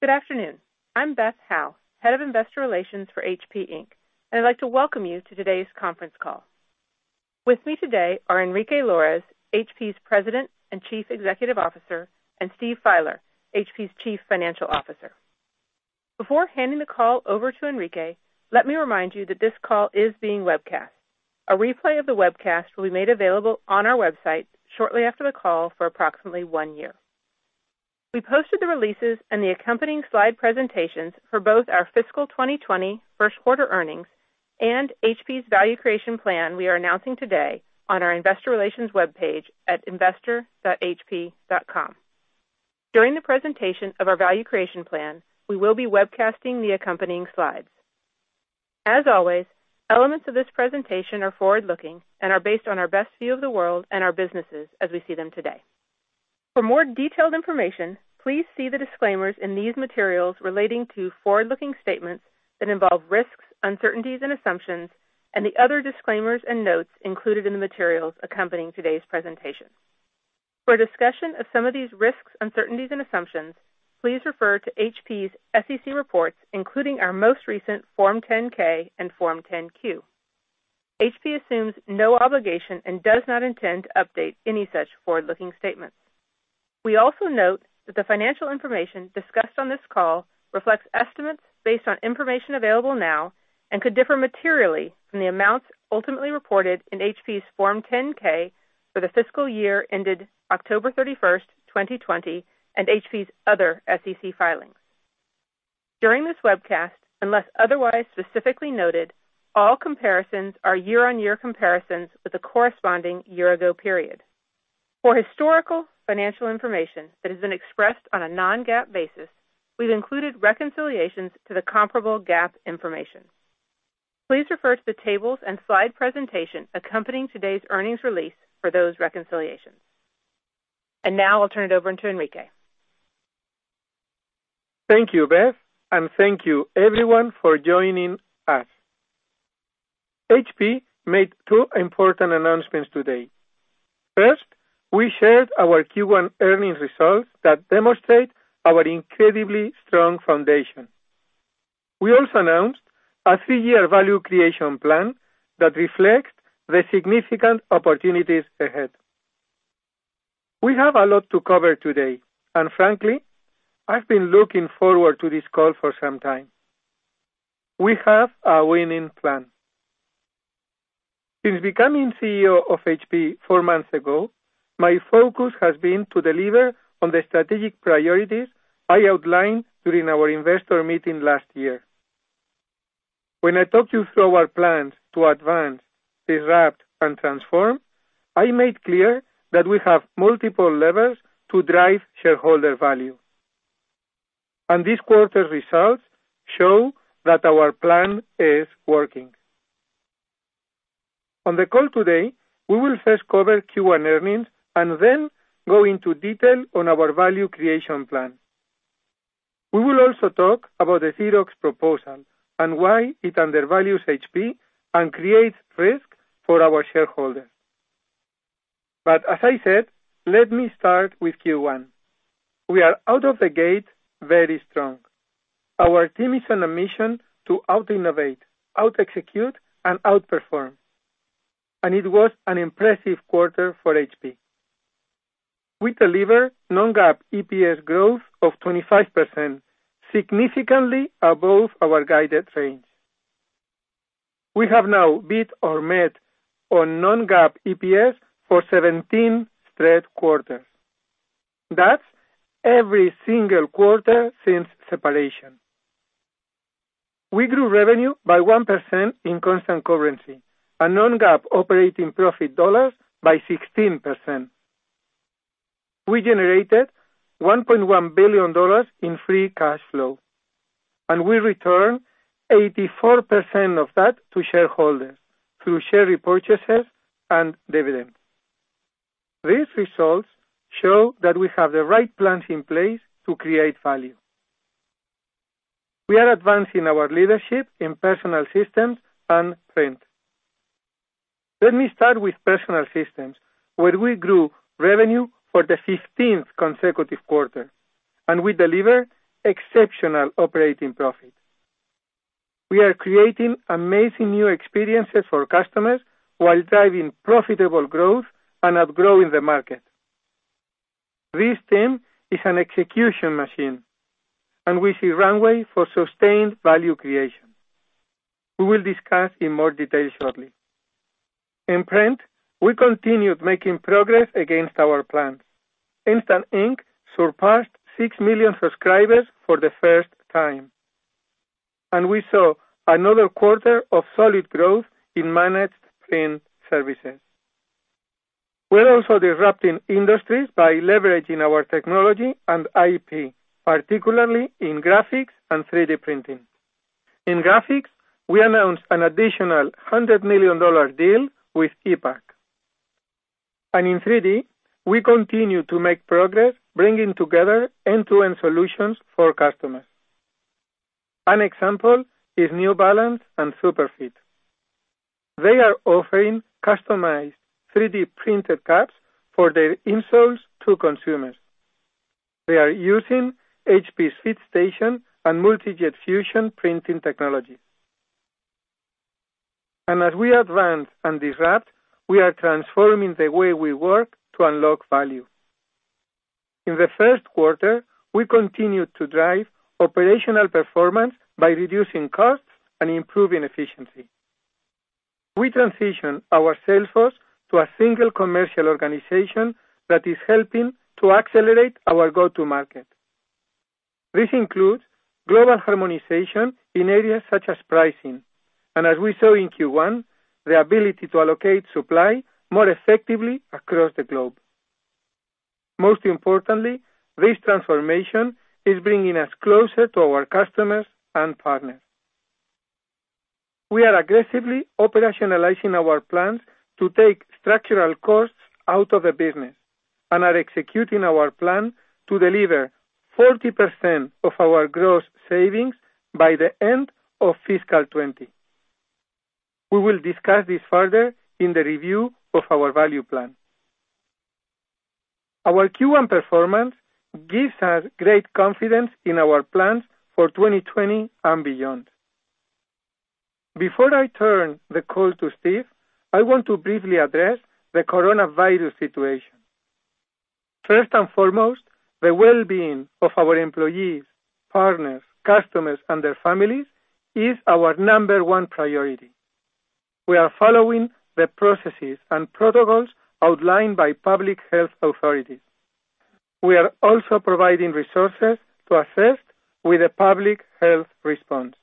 Good afternoon. I'm Beth Howe, Head of Investor Relations for HP Inc. I'd like to welcome you to today's conference call. With me today are Enrique Lores, HP's President and Chief Executive Officer, and Steve Fieler, HP's Chief Financial Officer. Before handing the call over to Enrique, let me remind you that this call is being webcast. A replay of the webcast will be made available on our website shortly after the call for approximately one year. We posted the releases and the accompanying slide presentations for both our fiscal 2020 first quarter earnings and HP's value creation plan we are announcing today on our investor relations webpage at investor.hp.com. During the presentation of our value creation plan, we will be webcasting the accompanying slides. As always, elements of this presentation are forward-looking and are based on our best view of the world and our businesses as we see them today. For more detailed information, please see the disclaimers in these materials relating to forward-looking statements that involve risks, uncertainties, and assumptions, and the other disclaimers and notes included in the materials accompanying today's presentation. For a discussion of some of these risks, uncertainties, and assumptions, please refer to HP's SEC reports, including our most recent Form 10-K and Form 10-Q. HP assumes no obligation and does not intend to update any such forward-looking statements. We also note that the financial information discussed on this call reflects estimates based on information available now, and could differ materially from the amounts ultimately reported in HP's Form 10-K for the fiscal year ended October 31st, 2020, and HP's other SEC filings. During this webcast, unless otherwise specifically noted, all comparisons are year-on-year comparisons with the corresponding year-ago period. For historical financial information that has been expressed on a non-GAAP basis, we've included reconciliations to the comparable GAAP information. Please refer to the tables and slide presentation accompanying today's earnings release for those reconciliations. Now I'll turn it over to Enrique. Thank you, Beth, and thank you everyone for joining us. HP made two important announcements today. First, we shared our Q1 earnings results that demonstrate our incredibly strong foundation. We also announced a three-year value creation plan that reflects the significant opportunities ahead. We have a lot to cover today, and frankly, I've been looking forward to this call for some time. We have a winning plan. Since becoming CEO of HP four months ago, my focus has been to deliver on the strategic priorities I outlined during our investor meeting last year. When I talked you through our plans to advance, disrupt, and transform, I made clear that we have multiple levers to drive shareholder value. This quarter's results show that our plan is working. On the call today, we will first cover Q1 earnings and then go into detail on our value creation plan. We will also talk about the Xerox proposal and why it undervalues HP and creates risk for our shareholders. As I said, let me start with Q1. We are out of the gate very strong. Our team is on a mission to out-innovate, out-execute, and outperform. It was an impressive quarter for HP. We delivered non-GAAP EPS growth of 25%, significantly above our guided range. We have now beat or met on non-GAAP EPS for 17 straight quarters. That's every single quarter since separation. We grew revenue by 1% in constant currency and non-GAAP operating profit dollars by 16%. We generated $1.1 billion in free cash flow, and we returned 84% of that to shareholders through share repurchases and dividends. These results show that we have the right plans in place to create value. We are advancing our leadership in Personal Systems and print. Let me start with Personal Systems, where we grew revenue for the 15th consecutive quarter. We delivered exceptional operating profit. We are creating amazing new experiences for customers while driving profitable growth and outgrowing the market. This team is an execution machine. We see runway for sustained value creation. We will discuss in more detail shortly. In print, we continued making progress against our plans. Instant Ink surpassed 6 million subscribers for the first time. We saw another quarter of solid growth in managed print services. We're also disrupting industries by leveraging our technology and IP, particularly in graphics and 3D printing. In graphics, we announced an additional $100 million deal with ePac. In 3D, we continue to make progress bringing together end-to-end solutions for customers. An example is New Balance and Superfeet. They are offering customized 3D-printed cups for their insoles to consumers. They are using HP's FitStation and Multi Jet Fusion printing technology. As we advance and disrupt, we are transforming the way we work to unlock value. In the first quarter, we continued to drive operational performance by reducing costs and improving efficiency. We transition our salesforce to a single commercial organization that is helping to accelerate our go-to-market. This includes global harmonization in areas such as pricing, and as we saw in Q1, the ability to allocate supply more effectively across the globe. Most importantly, this transformation is bringing us closer to our customers and partners. We are aggressively operationalizing our plans to take structural costs out of the business and are executing our plan to deliver 40% of our gross savings by the end of FY 2020. We will discuss this further in the review of our value plan. Our Q1 performance gives us great confidence in our plans for 2020 and beyond. Before I turn the call to Steve, I want to briefly address the coronavirus situation. First and foremost, the well-being of our employees, partners, customers, and their families is our number one priority. We are following the processes and protocols outlined by public health authorities. We are also providing resources to assist with a public health response.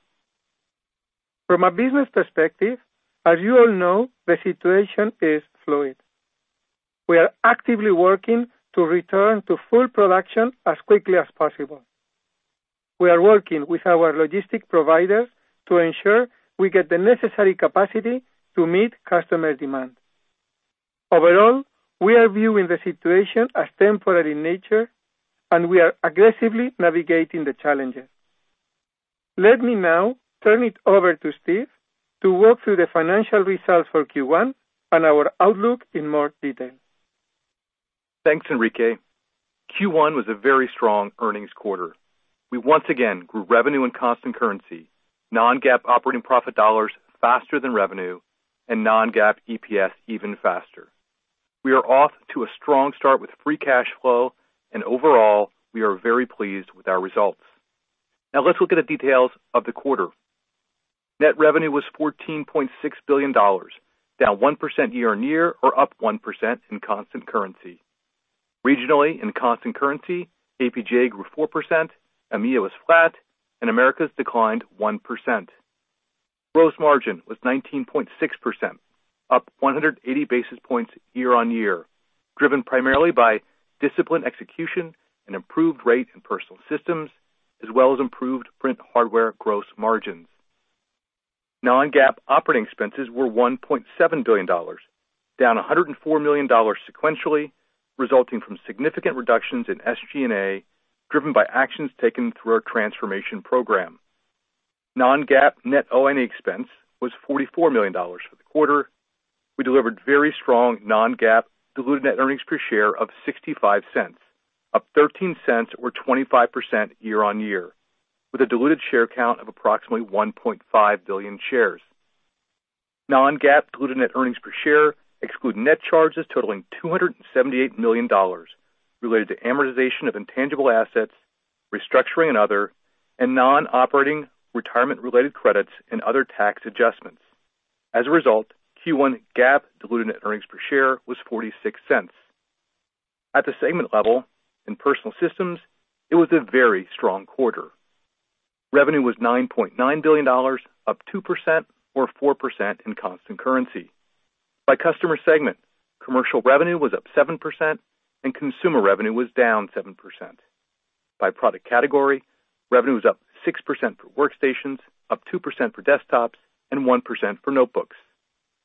From a business perspective, as you all know, the situation is fluid. We are actively working to return to full production as quickly as possible. We are working with our logistics providers to ensure we get the necessary capacity to meet customer demand. Overall, we are viewing the situation as temporary in nature, and we are aggressively navigating the challenges. Let me now turn it over to Steve to walk through the financial results for Q1 and our outlook in more detail. Thanks, Enrique. Q1 was a very strong earnings quarter. We once again grew revenue and constant currency, non-GAAP operating profit dollars faster than revenue, and non-GAAP EPS even faster. We are off to a strong start with free cash flow, and overall, we are very pleased with our results. Let's look at the details of the quarter. Net revenue was $14.6 billion, down 1% year-on-year or up 1% in constant currency. Regionally, in constant currency, APJ grew 4%, EMEA was flat, and Americas declined 1%. Gross margin was 19.6%, up 180 basis points year-on-year, driven primarily by disciplined execution and improved rate in Personal Systems, as well as improved print hardware gross margins. Non-GAAP operating expenses were $1.7 billion, down $104 million sequentially, resulting from significant reductions in SG&A, driven by actions taken through our transformation program. Non-GAAP net O&E expense was $44 million for the quarter. We delivered very strong non-GAAP diluted net earnings per share of $0.65, up $0.13 or 25% year-on-year, with a diluted share count of approximately 1.5 billion shares. Non-GAAP diluted net earnings per share exclude net charges totaling $278 million, related to amortization of intangible assets, restructuring and other, and non-operating retirement-related credits and other tax adjustments. As a result, Q1 GAAP diluted net earnings per share was $0.46. At the segment level, in Personal Systems, it was a very strong quarter. Revenue was $9.9 billion, up 2% or 4% in constant currency. By customer segment, commercial revenue was up 7% and consumer revenue was down 7%. By product category, revenue was up 6% for workstations, up 2% for desktops, and 1% for notebooks.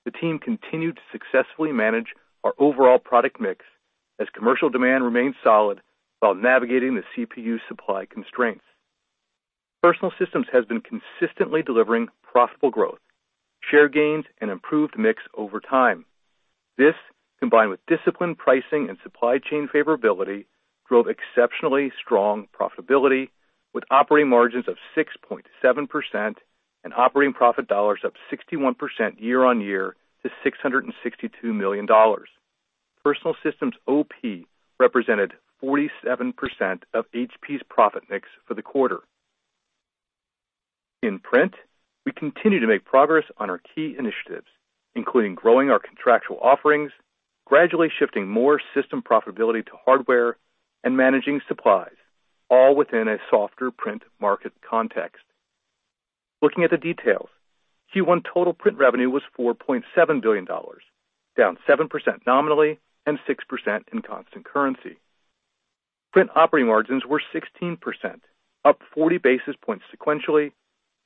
The team continued to successfully manage our overall product mix as commercial demand remained solid while navigating the CPU supply constraints. Personal Systems has been consistently delivering profitable growth, share gains, and improved mix over time. This, combined with disciplined pricing and supply chain favorability, drove exceptionally strong profitability with operating margins of 6.7% and operating profit dollars up 61% year-on-year to $662 million. Personal Systems OP represented 47% of HP's profit mix for the quarter. In print, we continue to make progress on our key initiatives, including growing our contractual offerings, gradually shifting more system profitability to hardware, and managing supplies, all within a softer print market context. Looking at the details, Q1 total print revenue was $4.7 billion, down 7% nominally and 6% in constant currency. Print operating margins were 16%, up 40 basis points sequentially,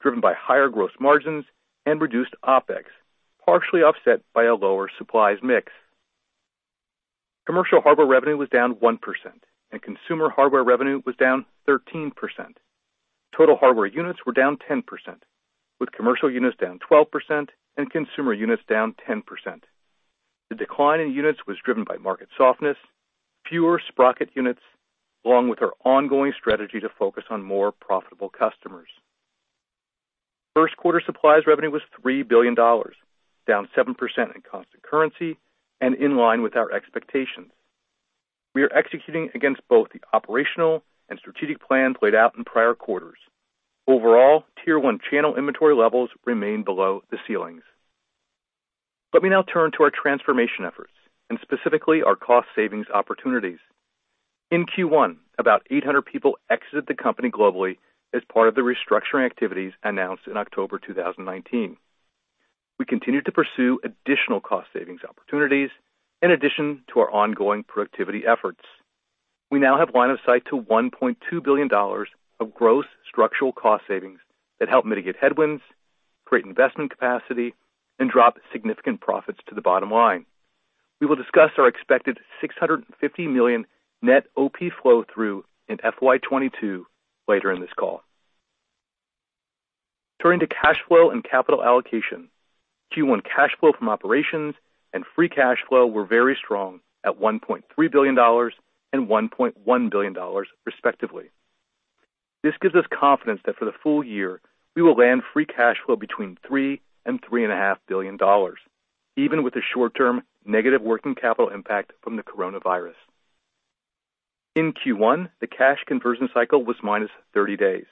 driven by higher gross margins and reduced OpEx, partially offset by a lower supplies mix. Commercial hardware revenue was down 1%, and consumer hardware revenue was down 13%. Total hardware units were down 10%, with commercial units down 12% and consumer units down 10%. The decline in units was driven by market softness, fewer Sprocket units, along with our ongoing strategy to focus on more profitable customers. First quarter supplies revenue was $3 billion, down 7% in constant currency and in line with our expectations. We are executing against both the operational and strategic plan played out in prior quarters. Overall, Tier one channel inventory levels remain below the ceilings. Let me now turn to our transformation efforts, and specifically our cost savings opportunities. In Q1, about 800 people exited the company globally as part of the restructuring activities announced in October 2019. We continued to pursue additional cost savings opportunities in addition to our ongoing productivity efforts. We now have line of sight to $1.2 billion of gross structural cost savings that help mitigate headwinds, create investment capacity, and drop significant profits to the bottom line. We will discuss our expected $650 million net OP flow through in FY 2022 later in this call. Turning to cash flow and capital allocation, Q1 cash flow from operations and free cash flow were very strong at $1.3 billion and $1.1 billion, respectively. This gives us confidence that for the full year, we will land free cash flow between $3 billion and $3.5 billion, even with the short-term negative working capital impact from the coronavirus. In Q1, the cash conversion cycle was -30 days.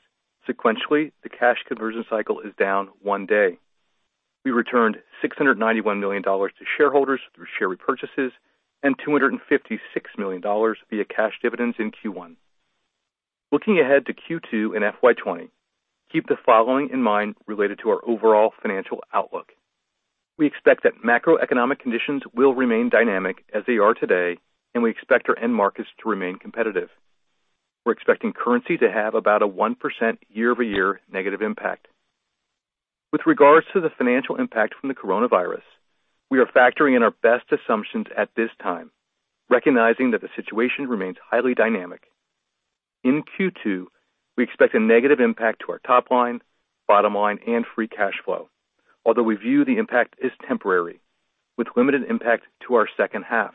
Sequentially, the cash conversion cycle is down one day. We returned $691 million to shareholders through share repurchases and $256 million via cash dividends in Q1. Looking ahead to Q2 and FY 2020, keep the following in mind related to our overall financial outlook. We expect that macroeconomic conditions will remain dynamic as they are today, and we expect our end markets to remain competitive. We're expecting currency to have about a 1% year-over-year negative impact. With regards to the financial impact from the coronavirus, we are factoring in our best assumptions at this time, recognizing that the situation remains highly dynamic. In Q2, we expect a negative impact to our top line, bottom line, and free cash flow, although we view the impact as temporary with limited impact to our second half.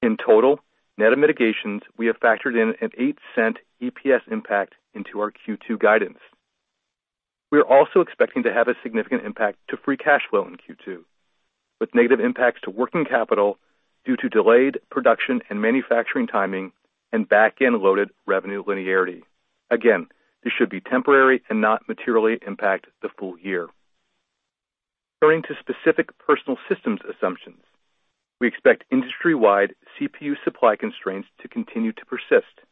In total, net of mitigations, we have factored in an $0.08 EPS impact into our Q2 guidance. We are also expecting to have a significant impact to free cash flow in Q2, with negative impacts to working capital due to delayed production and manufacturing timing and back-end loaded revenue linearity. This should be temporary and not materially impact the full year. Turning to specific Personal Systems assumptions, we expect industry-wide CPU supply constraints to continue to persist,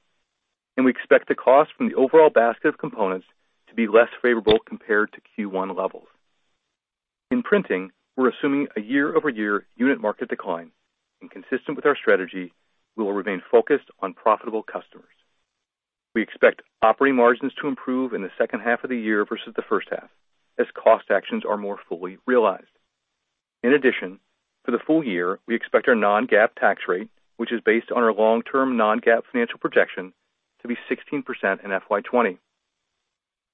and we expect the cost from the overall basket of components to be less favorable compared to Q1 levels. In printing, we're assuming a year-over-year unit market decline and consistent with our strategy, we will remain focused on profitable customers. We expect operating margins to improve in the second half of the year versus the first half as cost actions are more fully realized. In addition, for the full year, we expect our non-GAAP tax rate, which is based on our long-term non-GAAP financial projection to be 16% in FY 2020.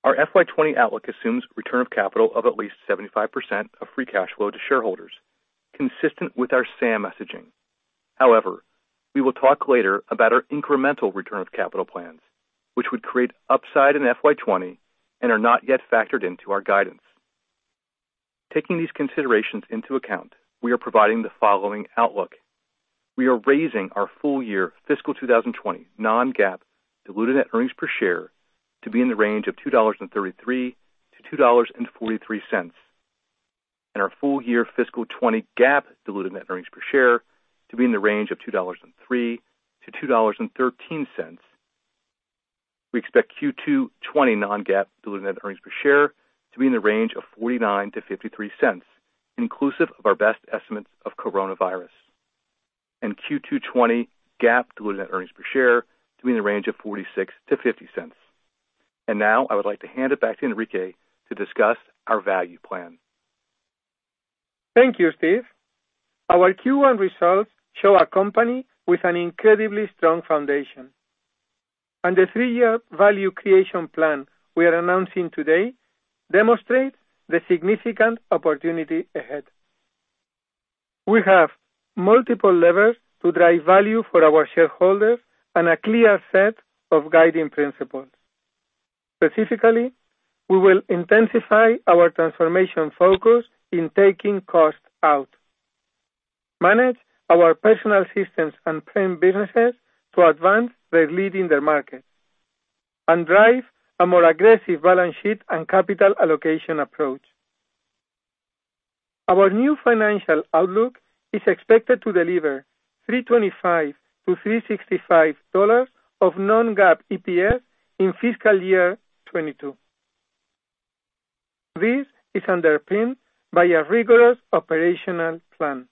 Our FY 2020 outlook assumes return of capital of at least 75% of free cash flow to shareholders, consistent with our SAM messaging. We will talk later about our incremental return of capital plans, which would create upside in FY 2020 and are not yet factored into our guidance. Taking these considerations into account, we are providing the following outlook. We are raising our full-year fiscal 2020 non-GAAP diluted net earnings per share to be in the range of $2.33-$2.43. Our full-year fiscal 2020 GAAP diluted net earnings per share to be in the range of $2.03-$2.13. We expect Q2 2020 non-GAAP diluted net earnings per share to be in the range of $0.49-$0.53, inclusive of our best estimates of coronavirus. Q2 2020 GAAP diluted net earnings per share to be in the range of $0.46-$0.50. Now I would like to hand it back to Enrique to discuss our value plan. Thank you, Steve. Our Q1 results show a company with an incredibly strong foundation. The three-year value creation plan we are announcing today demonstrates the significant opportunity ahead. We have multiple levers to drive value for our shareholders and a clear set of guiding principles. Specifically, we will intensify our transformation focus in taking cost out, manage our Personal Systems and print businesses to advance their lead in their market, and drive a more aggressive balance sheet and capital allocation approach. Our new financial outlook is expected to deliver $325 to $365 of non-GAAP EPS in FY22. This is underpinned by a rigorous operational plan.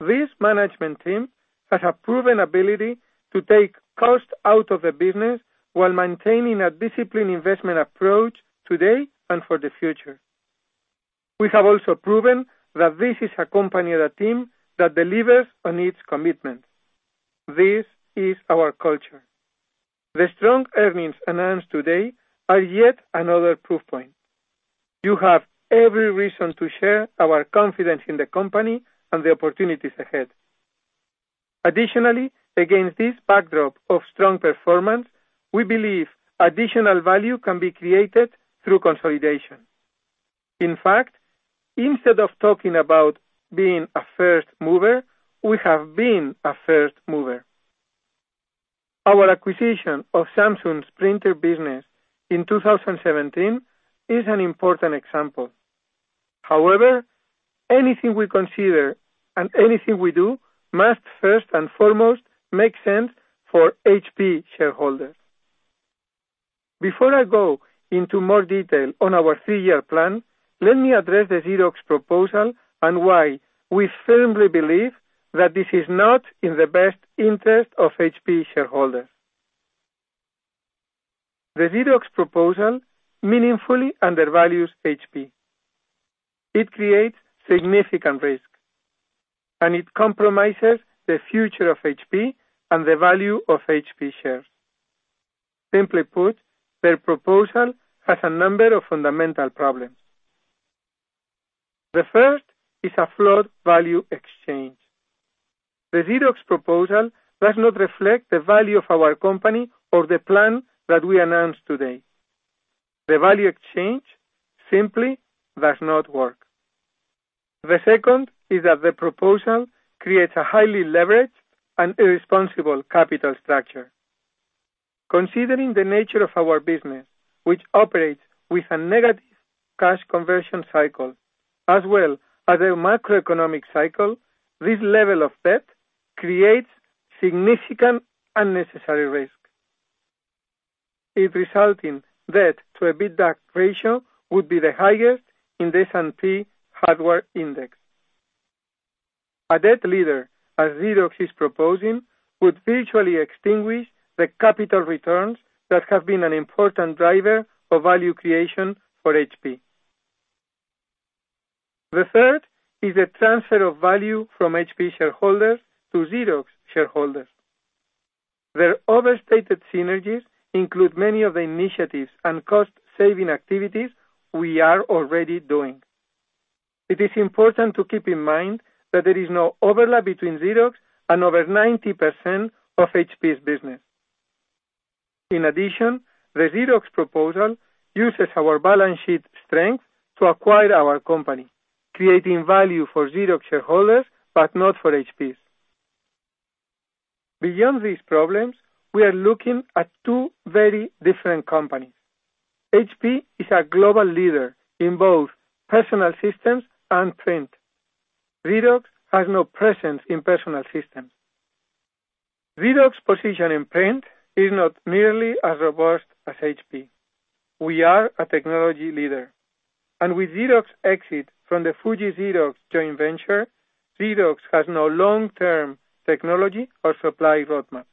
This management team has a proven ability to take cost out of the business while maintaining a disciplined investment approach today and for the future. We have also proven that this is a company and a team that delivers on its commitments. This is our culture. The strong earnings announced today are yet another proof point. You have every reason to share our confidence in the company and the opportunities ahead. Against this backdrop of strong performance, we believe additional value can be created through consolidation. Instead of talking about being a first mover, we have been a first mover. Our acquisition of Samsung's printer business in 2017 is an important example. Anything we consider and anything we do must first and foremost make sense for HP shareholders. Before I go into more detail on our three-year plan, let me address the Xerox proposal and why we firmly believe that this is not in the best interest of HP shareholders. The Xerox proposal meaningfully undervalues HP. It creates significant risk, and it compromises the future of HP and the value of HP shares. Simply put, their proposal has a number of fundamental problems. The first is a flawed value exchange. The Xerox proposal does not reflect the value of our company or the plan that we announced today. The value exchange simply does not work. The second is that the proposal creates a highly leveraged and irresponsible capital structure. Considering the nature of our business, which operates with a negative cash conversion cycle, as well as a macroeconomic cycle, this level of debt creates significant unnecessary risk. Its resulting debt to EBITDA ratio would be the highest in the S&P Hardware Index. A debt leader, as Xerox is proposing, would virtually extinguish the capital returns that have been an important driver of value creation for HP. The third is a transfer of value from HP shareholders to Xerox shareholders. Their overstated synergies include many of the initiatives and cost-saving activities we are already doing. It is important to keep in mind that there is no overlap between Xerox and over 90% of HP's business. In addition, the Xerox proposal uses our balance sheet strength to acquire our company, creating value for Xerox shareholders but not for HP's. Beyond these problems, we are looking at two very different companies. HP is a global leader in both Personal Systems and print. Xerox has no presence in Personal Systems. Xerox's position in print is not nearly as robust as HP. We are a technology leader, and with Xerox's exit from the Fuji Xerox joint venture, Xerox has no long-term technology or supply roadmap.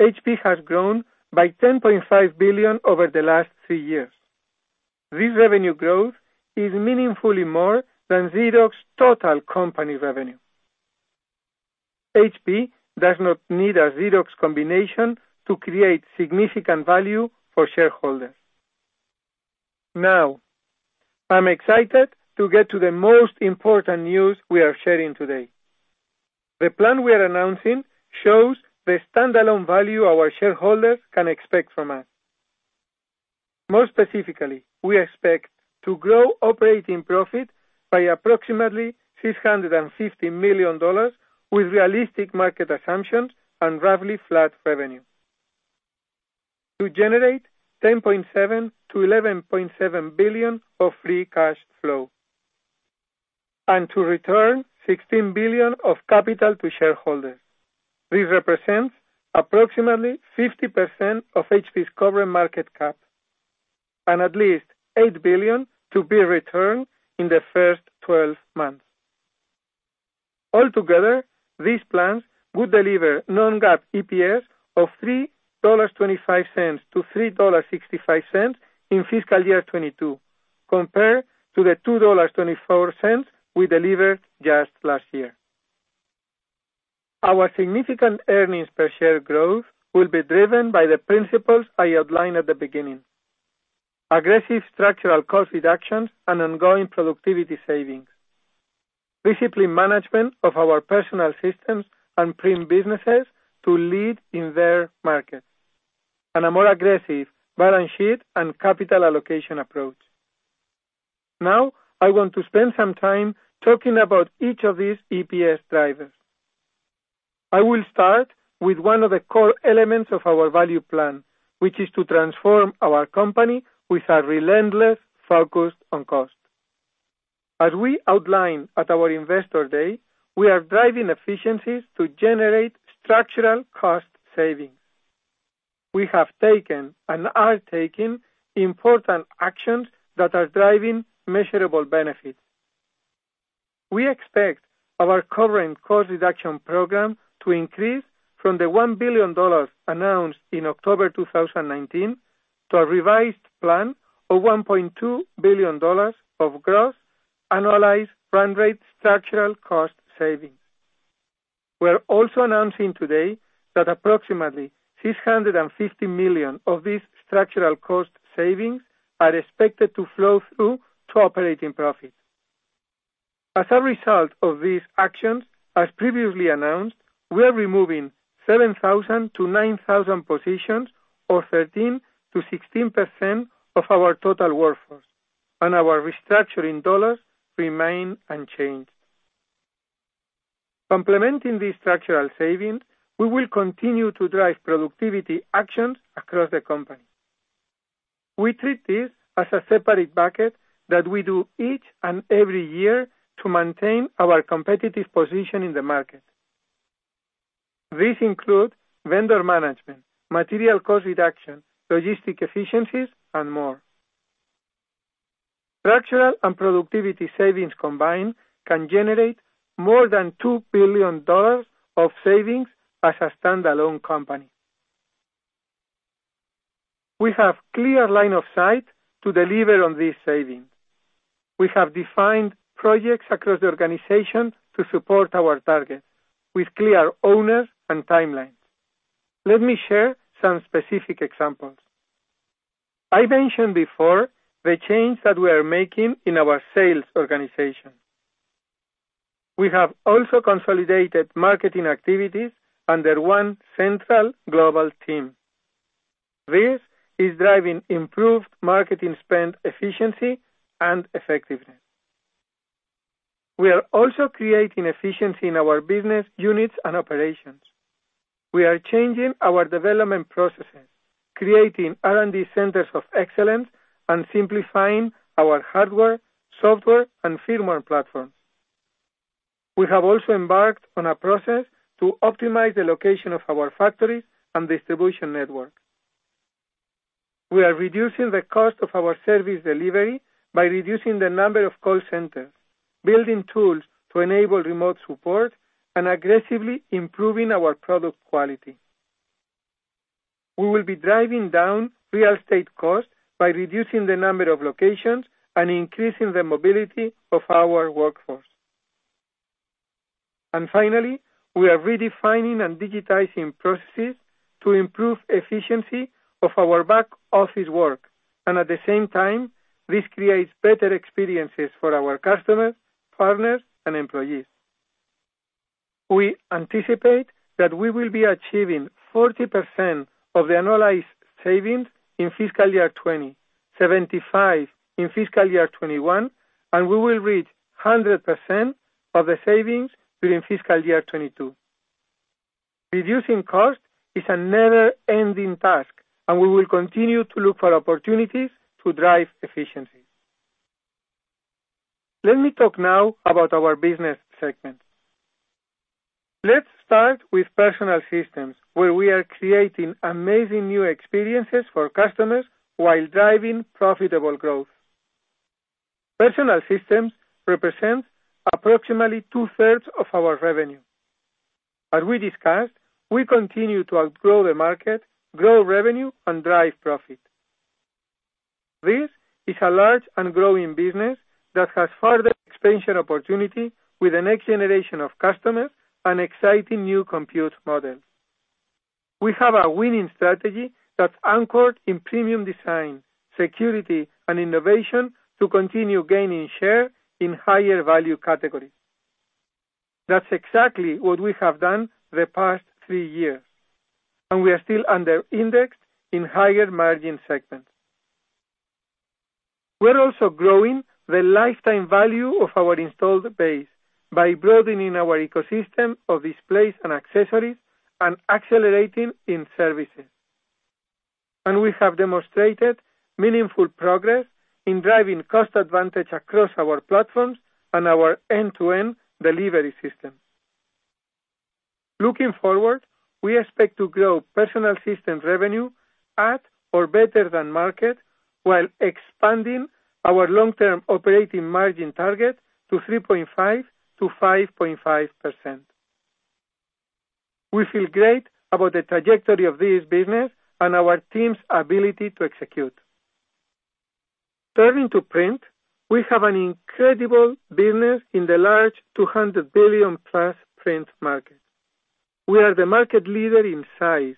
HP has grown by $10.5 billion over the last three years. This revenue growth is meaningfully more than Xerox's total company revenue. HP does not need a Xerox combination to create significant value for shareholders. Now, I'm excited to get to the most important news we are sharing today. The plan we are announcing shows the standalone value our shareholders can expect from us. More specifically, we expect to grow operating profit by approximately $650 million with realistic market assumptions and roughly flat revenue. To generate $10.7 billion-$11.7 billion of free cash flow, and to return $16 billion of capital to shareholders. This represents approximately 50% of HP's current market cap, and at least $8 billion to be returned in the first 12 months. Altogether, these plans would deliver non-GAAP EPS of $3.25-$3.65 in fiscal year 2022, compared to the $2.24 we delivered just last year. Our significant earnings per share growth will be driven by the principles I outlined at the beginning. Aggressive structural cost reductions and ongoing productivity savings. Disciplined management of our Personal Systems and print businesses to lead in their markets. A more aggressive balance sheet and capital allocation approach. I want to spend some time talking about each of these EPS drivers. I will start with one of the core elements of our value plan, which is to transform our company with a relentless focus on cost. As we outlined at our Investor Day, we are driving efficiencies to generate structural cost savings. We have taken and are taking important actions that are driving measurable benefits. We expect our current cost reduction program to increase from the $1 billion announced in October 2019 to a revised plan of $1.2 billion of gross annualized run rate structural cost savings. We're also announcing today that approximately $650 million of these structural cost savings are expected to flow through to operating profit. As a result of these actions, as previously announced, we are removing 7,000-9,000 positions, or 13%-16% of our total workforce, and our restructuring dollars remain unchanged. Complementing these structural savings, we will continue to drive productivity actions across the company. We treat this as a separate bucket that we do each and every year to maintain our competitive position in the market. These include vendor management, material cost reduction, logistic efficiencies, and more. Structural and productivity savings combined can generate more than $2 billion of savings as a standalone company. We have clear line of sight to deliver on these savings. We have defined projects across the organization to support our targets with clear owners and timelines. Let me share some specific examples. I mentioned before the change that we are making in our sales organization. We have also consolidated marketing activities under one central global team. This is driving improved marketing spend efficiency and effectiveness. We are also creating efficiency in our business units and operations. We are changing our development processes, creating R&D centers of excellence, and simplifying our hardware, software, and firmware platforms. We have also embarked on a process to optimize the location of our factories and distribution network. We are reducing the cost of our service delivery by reducing the number of call centers, building tools to enable remote support, and aggressively improving our product quality. We will be driving down real estate costs by reducing the number of locations and increasing the mobility of our workforce. Finally, we are redefining and digitizing processes to improve efficiency of our back-office work, and at the same time, this creates better experiences for our customers, partners, and employees. We anticipate that we will be achieving 40% of the annualized savings in fiscal year 2020, 75% in fiscal year 2021, and we will reach 100% of the savings during fiscal year 2022. Reducing cost is a never-ending task, and we will continue to look for opportunities to drive efficiency. Let me talk now about our business segments. Let's start with Personal Systems, where we are creating amazing new experiences for customers while driving profitable growth. Personal Systems represent approximately 2/3 of our revenue. As we discussed, we continue to outgrow the market, grow revenue, and drive profit. This is a large and growing business that has further expansion opportunity with the next generation of customers and exciting new compute models. We have a winning strategy that's anchored in premium design, security, and innovation to continue gaining share in higher value categories. That's exactly what we have done the past three years, and we are still under indexed in higher margin segments. We're also growing the lifetime value of our installed base by broadening our ecosystem of displays and accessories, and accelerating in services. We have demonstrated meaningful progress in driving cost advantage across our platforms and our end-to-end delivery system. Looking forward, we expect to grow Personal Systems revenue at or better than market, while expanding our long-term operating margin target to 3.5%-5.5%. We feel great about the trajectory of this business and our team's ability to execute. Turning to print, we have an incredible business in the large $200+ billion print market. We are the market leader in size,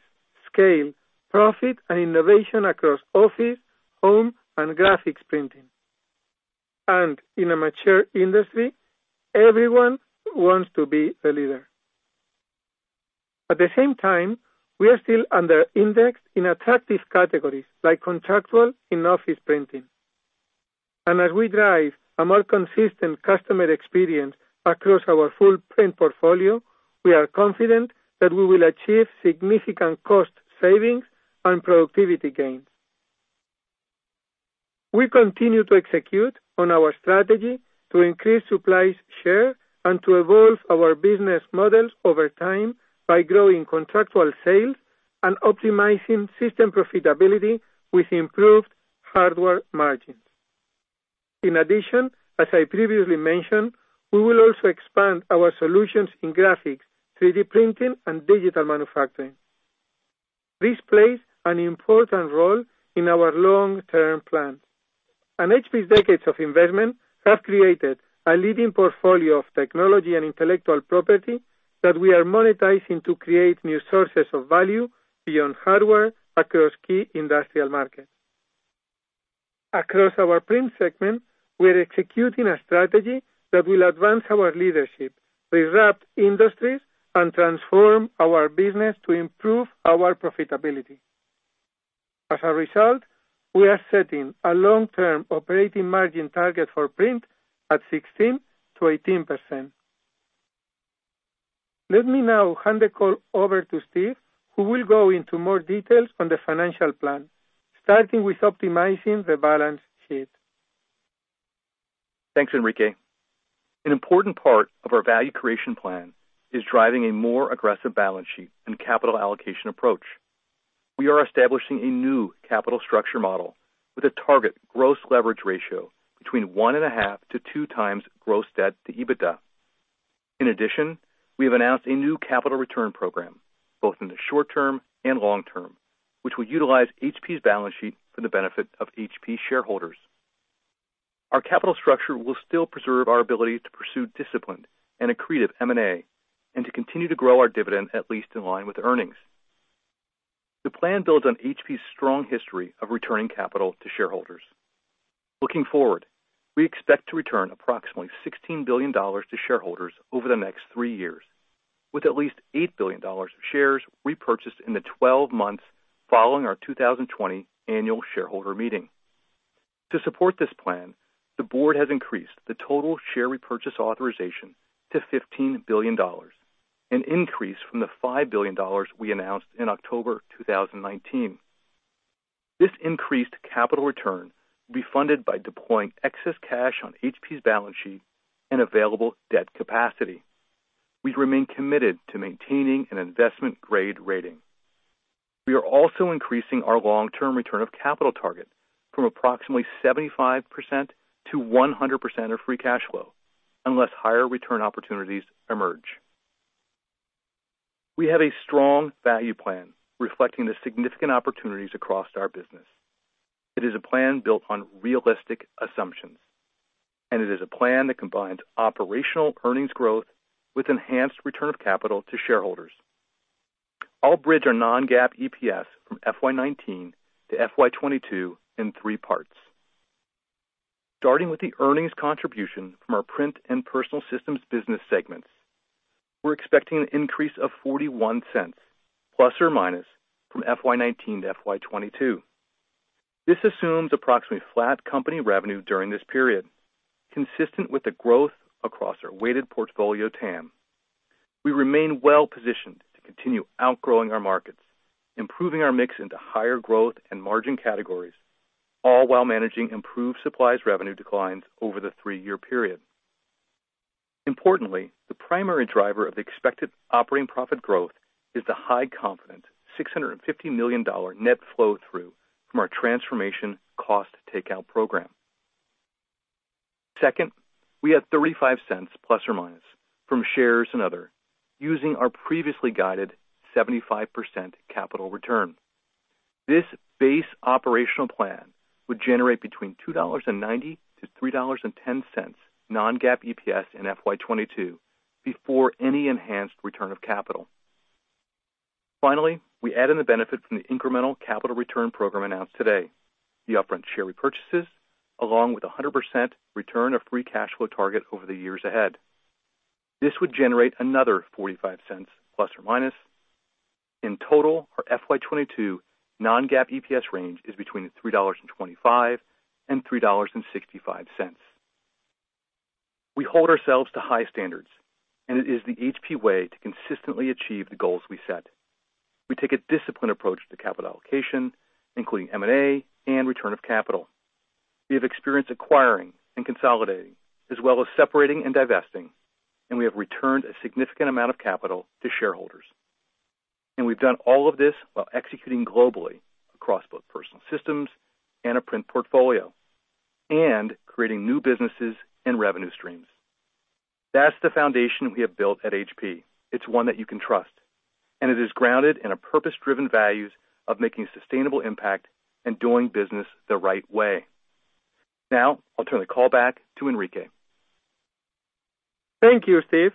scale, profit, and innovation across office, home, and graphics printing. In a mature industry, everyone wants to be a leader. At the same time, we are still under indexed in attractive categories like contractual in office printing. As we drive a more consistent customer experience across our full print portfolio, we are confident that we will achieve significant cost savings and productivity gains. We continue to execute on our strategy to increase supplies share and to evolve our business models over time by growing contractual sales and optimizing system profitability with improved hardware margins. In addition, as I previously mentioned, we will also expand our solutions in graphics, 3D printing, and digital manufacturing. This plays an important role in our long-term plan. HP's decades of investment have created a leading portfolio of technology and intellectual property that we are monetizing to create new sources of value beyond hardware across key industrial markets. Across our Print segment, we are executing a strategy that will advance our leadership with wrapped industries and transform our business to improve our profitability. As a result, we are setting a long-term operating margin target for Print at 16%-18%. Let me now hand the call over to Steve, who will go into more details on the financial plan, starting with optimizing the balance sheet. Thanks, Enrique. An important part of our value creation plan is driving a more aggressive balance sheet and capital allocation approach. We are establishing a new capital structure model with a target gross leverage ratio between one and a half to two times gross debt to EBITDA. We have announced a new capital return program, both in the short term and long term, which will utilize HP's balance sheet for the benefit of HP shareholders. Our capital structure will still preserve our ability to pursue disciplined and accretive M&A and to continue to grow our dividend, at least in line with earnings. The plan builds on HP's strong history of returning capital to shareholders. Looking forward, we expect to return approximately $16 billion to shareholders over the next three years, with at least $8 billion of shares repurchased in the 12 months following our 2020 annual shareholder meeting. To support this plan, the board has increased the total share repurchase authorization to $15 billion, an increase from the $5 billion we announced in October 2019. This increased capital return will be funded by deploying excess cash on HP's balance sheet and available debt capacity. We remain committed to maintaining an investment-grade rating. We are also increasing our long-term return of capital target from approximately 75% to 100% of free cash flow, unless higher return opportunities emerge. We have a strong value plan reflecting the significant opportunities across our business. It is a plan built on realistic assumptions, and it is a plan that combines operational earnings growth with enhanced return of capital to shareholders. I'll bridge our non-GAAP EPS from FY 2019 to FY 2022 in three parts. Starting with the earnings contribution from our Print and Personal Systems business segments, we're expecting an increase of $0.41, ±, from FY 2019 to FY 2022. This assumes approximately flat company revenue during this period, consistent with the growth across our weighted portfolio TAM. We remain well positioned to continue outgrowing our markets, improving our mix into higher growth and margin categories, all while managing improved supplies revenue declines over the three-year period. Importantly, the primary driver of the expected operating profit growth is the high confidence, $650 million net flow through from our transformation cost takeout program. Second, we had $0.35, ±, from shares and other, using our previously guided 75% capital return. This base operational plan would generate $2.90-$3.10 non-GAAP EPS in FY22 before any enhanced return of capital. Finally, we add in the benefit from the incremental capital return program announced today, the upfront share repurchases, along with 100% return of free cash flow target over the years ahead. This would generate another $0.45, ±. In total, our FY22 non-GAAP EPS range is $3.25-$3.65. We hold ourselves to high standards, and it is the HP way to consistently achieve the goals we set. We take a disciplined approach to capital allocation, including M&A and return of capital. We have experience acquiring and consolidating, as well as separating and divesting, and we have returned a significant amount of capital to shareholders. We've done all of this while executing globally across both Personal Systems and a print portfolio and creating new businesses and revenue streams. That's the foundation we have built at HP. It's one that you can trust, and it is grounded in a purpose-driven values of making sustainable impact and doing business the right way. Now, I'll turn the call back to Enrique. Thank you, Steve.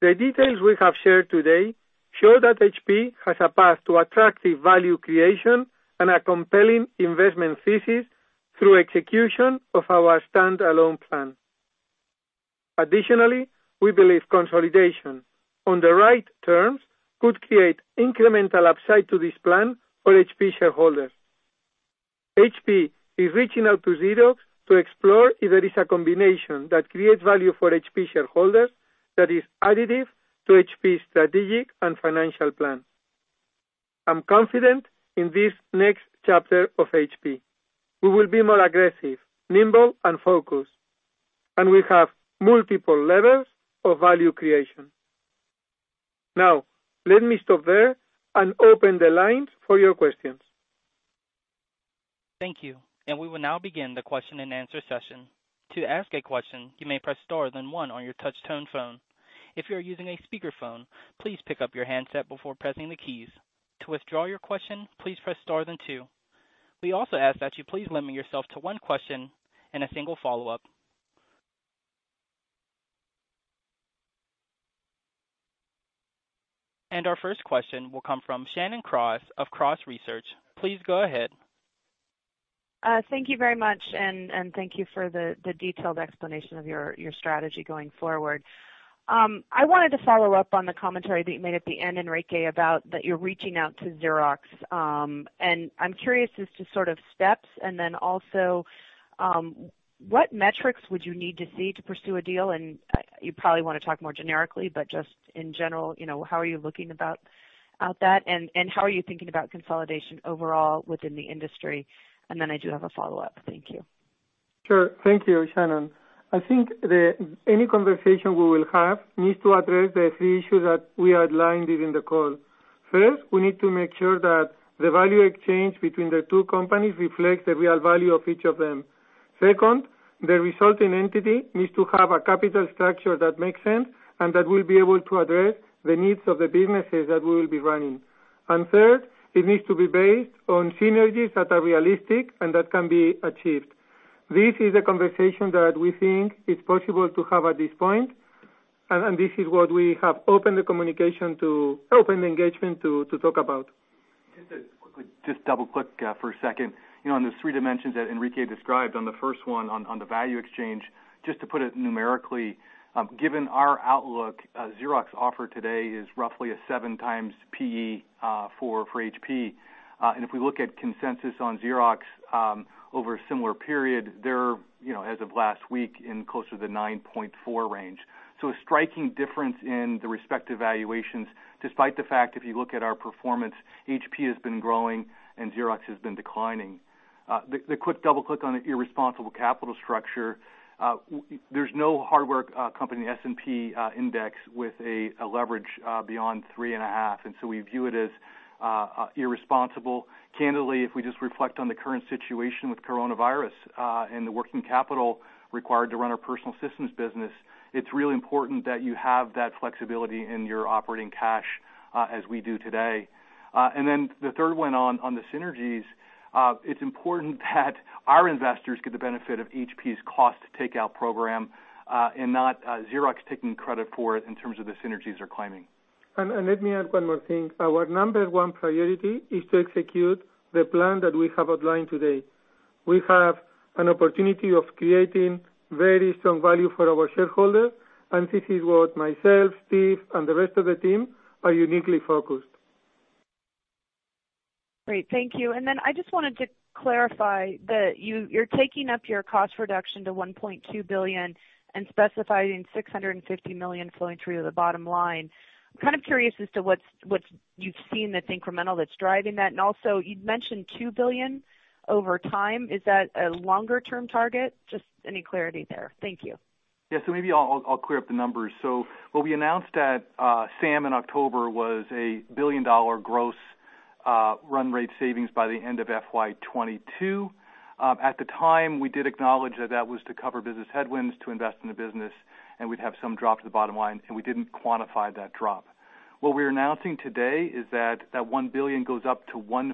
The details we have shared today show that HP has a path to attractive value creation and a compelling investment thesis through execution of our standalone plan. Additionally, we believe consolidation on the right terms could create incremental upside to this plan for HP shareholders. HP is reaching out to Xerox to explore if there is a combination that creates value for HP shareholders that is additive to HP's strategic and financial plan. I'm confident in this next chapter of HP. We will be more aggressive, nimble, and focused. We have multiple levels of value creation. Now, let me stop there and open the lines for your questions. Thank you. We will now begin the question and answer session. To ask a question, you may press star then 1 on your touch-tone phone. If you're using a speakerphone, please pick up your handset before pressing the keys. To withdraw your question, please press star then 2. We also ask that you please limit yourself to one question and a single follow-up. Our first question will come from Shannon Cross of Cross Research. Please go ahead. Thank you very much, and thank you for the detailed explanation of your strategy going forward. I wanted to follow up on the commentary that you made at the end, Enrique, about that you're reaching out to Xerox. I'm curious as to sort of steps and then also, what metrics would you need to see to pursue a deal? You probably want to talk more generically, but just in general, how are you looking about that, and how are you thinking about consolidation overall within the industry? Then I do have a follow-up. Thank you. Sure. Thank you, Shannon. I think any conversation we will have needs to address the three issues that we outlined during the call. First, we need to make sure that the value exchange between the two companies reflects the real value of each of them. Second, the resulting entity needs to have a capital structure that makes sense and that will be able to address the needs of the businesses that we will be running. Third, it needs to be based on synergies that are realistic and that can be achieved. This is a conversation that we think is possible to have at this point, and this is what we have opened the communication to open engagement to talk about. Just to quickly double-click for a second. On the three dimensions that Enrique described on the first one on the value exchange, just to put it numerically, given our outlook, Xerox offer today is roughly a seven times P/E for HP. If we look at consensus on Xerox, over a similar period, they're, as of last week, in closer to the 9.4 range. A striking difference in the respective valuations, despite the fact, if you look at our performance, HP has been growing and Xerox has been declining. The quick double-click on the irresponsible capital structure. There's no hardware company S&P index with a leverage beyond three and a half, we view it as irresponsible. Candidly, if we just reflect on the current situation with coronavirus, and the working capital required to run our Personal Systems business, it's really important that you have that flexibility in your operating cash as we do today. The third one on the synergies, it's important that our investors get the benefit of HP's cost takeout program, and not Xerox taking credit for it in terms of the synergies they're claiming. Let me add one more thing. Our number one priority is to execute the plan that we have outlined today. We have an opportunity of creating very strong value for our shareholders, and this is what myself, Steve, and the rest of the team are uniquely focused. Great. Thank you. I just wanted to clarify that you're taking up your cost reduction to $1.2 billion and specifying $650 million flowing through to the bottom line. I'm kind of curious as to what you've seen that's incremental that's driving that. You'd mentioned $2 billion over time. Is that a longer-term target? Just any clarity there. Thank you. Maybe I'll clear up the numbers. What we announced at SAM in October was a $1 billion gross run rate savings by the end of FY 2022. At the time, we did acknowledge that that was to cover business headwinds to invest in the business, and we'd have some drop to the bottom line, and we didn't quantify that drop. What we're announcing today is that that $1 billion goes up to $1.2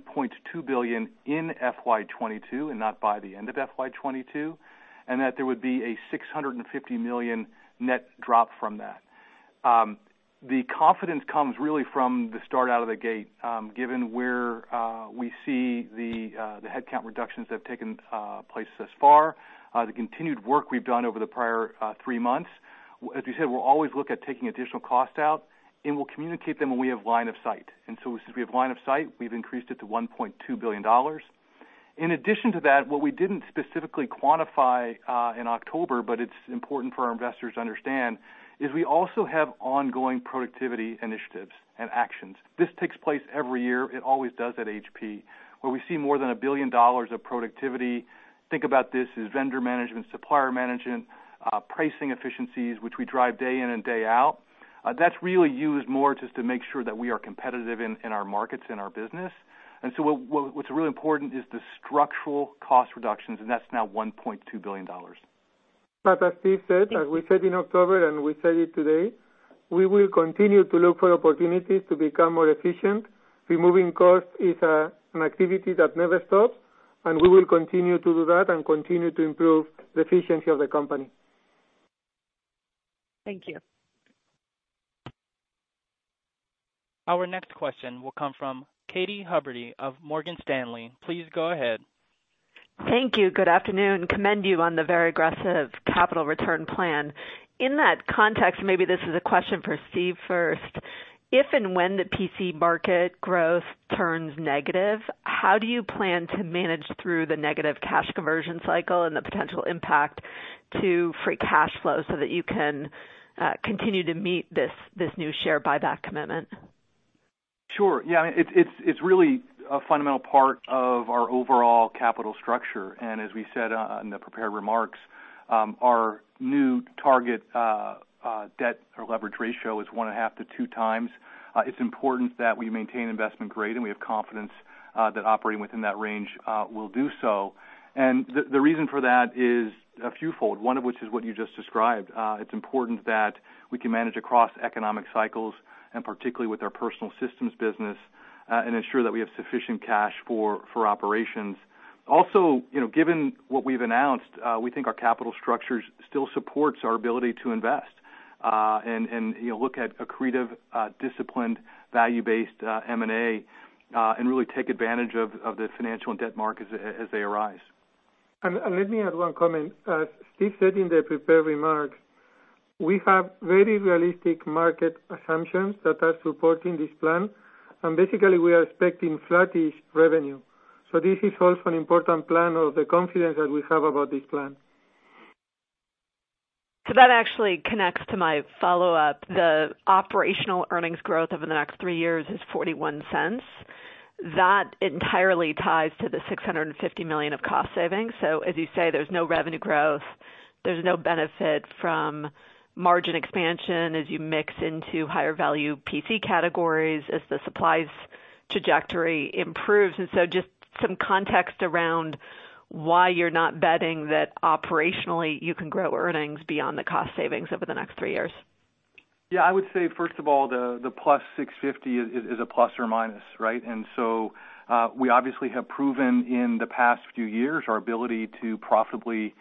billion in FY 2022 and not by the end of FY 2022, and that there would be a $650 million net drop from that. The confidence comes really from the start out of the gate, given where we see the headcount reductions that have taken place thus far, the continued work we've done over the prior three months. As we said, we'll always look at taking additional cost out, and we'll communicate them when we have line of sight. Since we have line of sight, we've increased it to $1.2 billion. In addition to that, what we didn't specifically quantify, in October, but it's important for our investors to understand, is we also have ongoing productivity initiatives and actions. This takes place every year. It always does at HP, where we see more than $1 billion of productivity. Think about this as vendor management, supplier management, pricing efficiencies, which we drive day in and day out. That's really used more just to make sure that we are competitive in our markets, in our business. What's really important is the structural cost reductions, and that's now $1.2 billion. As Steve said, as we said in October, and we said it today, we will continue to look for opportunities to become more efficient. Removing cost is an activity that never stops, and we will continue to do that and continue to improve the efficiency of the company. Thank you. Our next question will come from Katy Huberty of Morgan Stanley. Please go ahead. Thank you. Good afternoon. Commend you on the very aggressive capital return plan. In that context, maybe this is a question for Steve first. If and when the PC market growth turns negative, how do you plan to manage through the negative cash conversion cycle and the potential impact to free cash flow so that you can continue to meet this new share buyback commitment? Sure. Yeah, it's really a fundamental part of our overall capital structure. As we said in the prepared remarks, our new target debt or leverage ratio is one and a half to two times. It's important that we maintain investment grade, and we have confidence that operating within that range will do so. The reason for that is a few fold, one of which is what you just described. It's important that we can manage across economic cycles, and particularly with our Personal Systems business, and ensure that we have sufficient cash for operations. Also, given what we've announced, we think our capital structure still supports our ability to invest and look at accretive, disciplined, value-based M&A, and really take advantage of the financial and debt markets as they arise. Let me add one comment. As Steve said in the prepared remarks, we have very realistic market assumptions that are supporting this plan. Basically, we are expecting flattish revenue. This is also an important plan of the confidence that we have about this plan. That actually connects to my follow-up. The operational earnings growth over the next three years is $0.41. That entirely ties to the $650 million of cost savings. As you say, there's no revenue growth, there's no benefit from margin expansion as you mix into higher value PC categories as the supplies trajectory improves. Just some context around why you're not betting that operationally you can grow earnings beyond the cost savings over the next three years. Yeah, I would say, first of all, the +650 is a ±, right? We obviously have proven in the past few years our ability to profitably